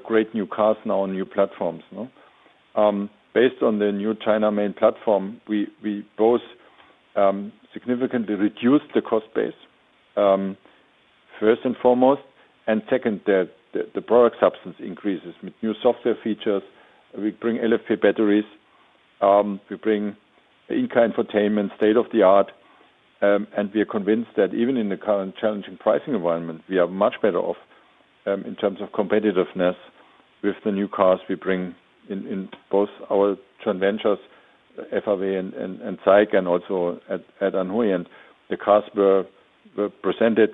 great new cars now on new platforms. Based on the new China main platform, we both significantly reduce the cost base, first and foremost. Second, the product substance increases with new software features. We bring LFP batteries. We bring INCA infotainment, state-of-the-art. We are convinced that even in the current challenging pricing environment, we are much better off in terms of competitiveness with the new cars we bring in both our joint ventures, FRV and SAIC, and also at Anhui. The cars were presented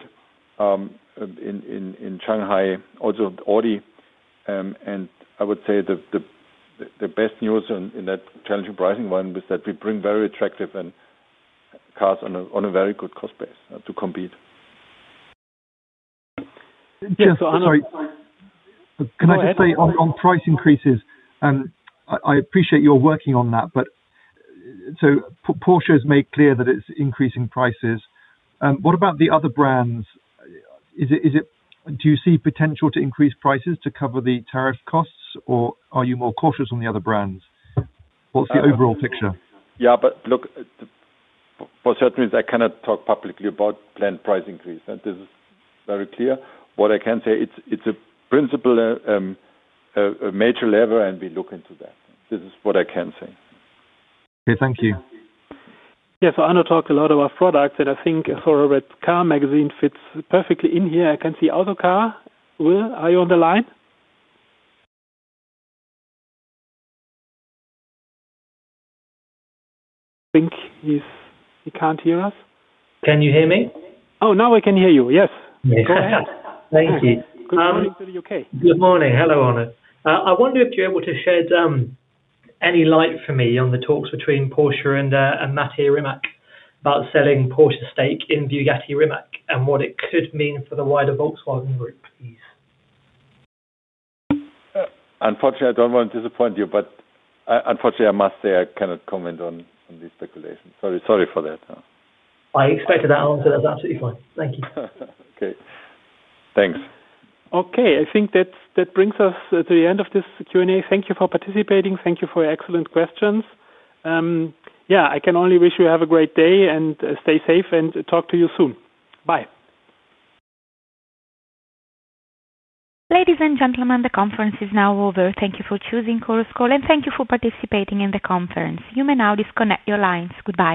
in Shanghai, also Audi. I would say the best news in that challenging pricing environment was that we bring very attractive cars on a very good cost base to compete. Arno, can I just say on price increases, I appreciate you're working on that. Porsche has made clear that it's increasing prices. What about the other brands? Do you see potential to increase prices to cover the tariff costs, or are you more cautious on the other brands? What's the overall picture? For certain reasons, I cannot talk publicly about planned price increase. This is very clear. What I can say, it's a principal, a major lever, and we look into that. This is what I can say. Okay. Thank you. Arno talked a lot about products that I think for a red car magazine fits perfectly in here. I can see Autocar. Will, are you on the line? I think he can't hear us. Can you hear me? Oh, now I can hear you. Yes, go ahead. Thank you. Good morning. Good morning. Hello, Arno. I wonder if you're able to shed any light for me on the talks between Porsche and Mate Rimac about selling Porsche's stake in Bugatti Rimac and what it could mean for the wider Volkswagen Group, please. I don't want to disappoint you, but unfortunately, I must say I cannot comment on these speculations. Sorry for that. I expected that answer. That's absolutely fine. Thank you. Okay. Thanks. Okay. I think that brings us to the end of this Q&A. Thank you for participating. Thank you for your excellent questions. I can only wish you have a great day and stay safe and talk to you soon. Bye. Ladies and gentlemen, the conference is now over. Thank you for choosing Chorus Call and thank you for participating in the conference. You may now disconnect your lines. Goodbye.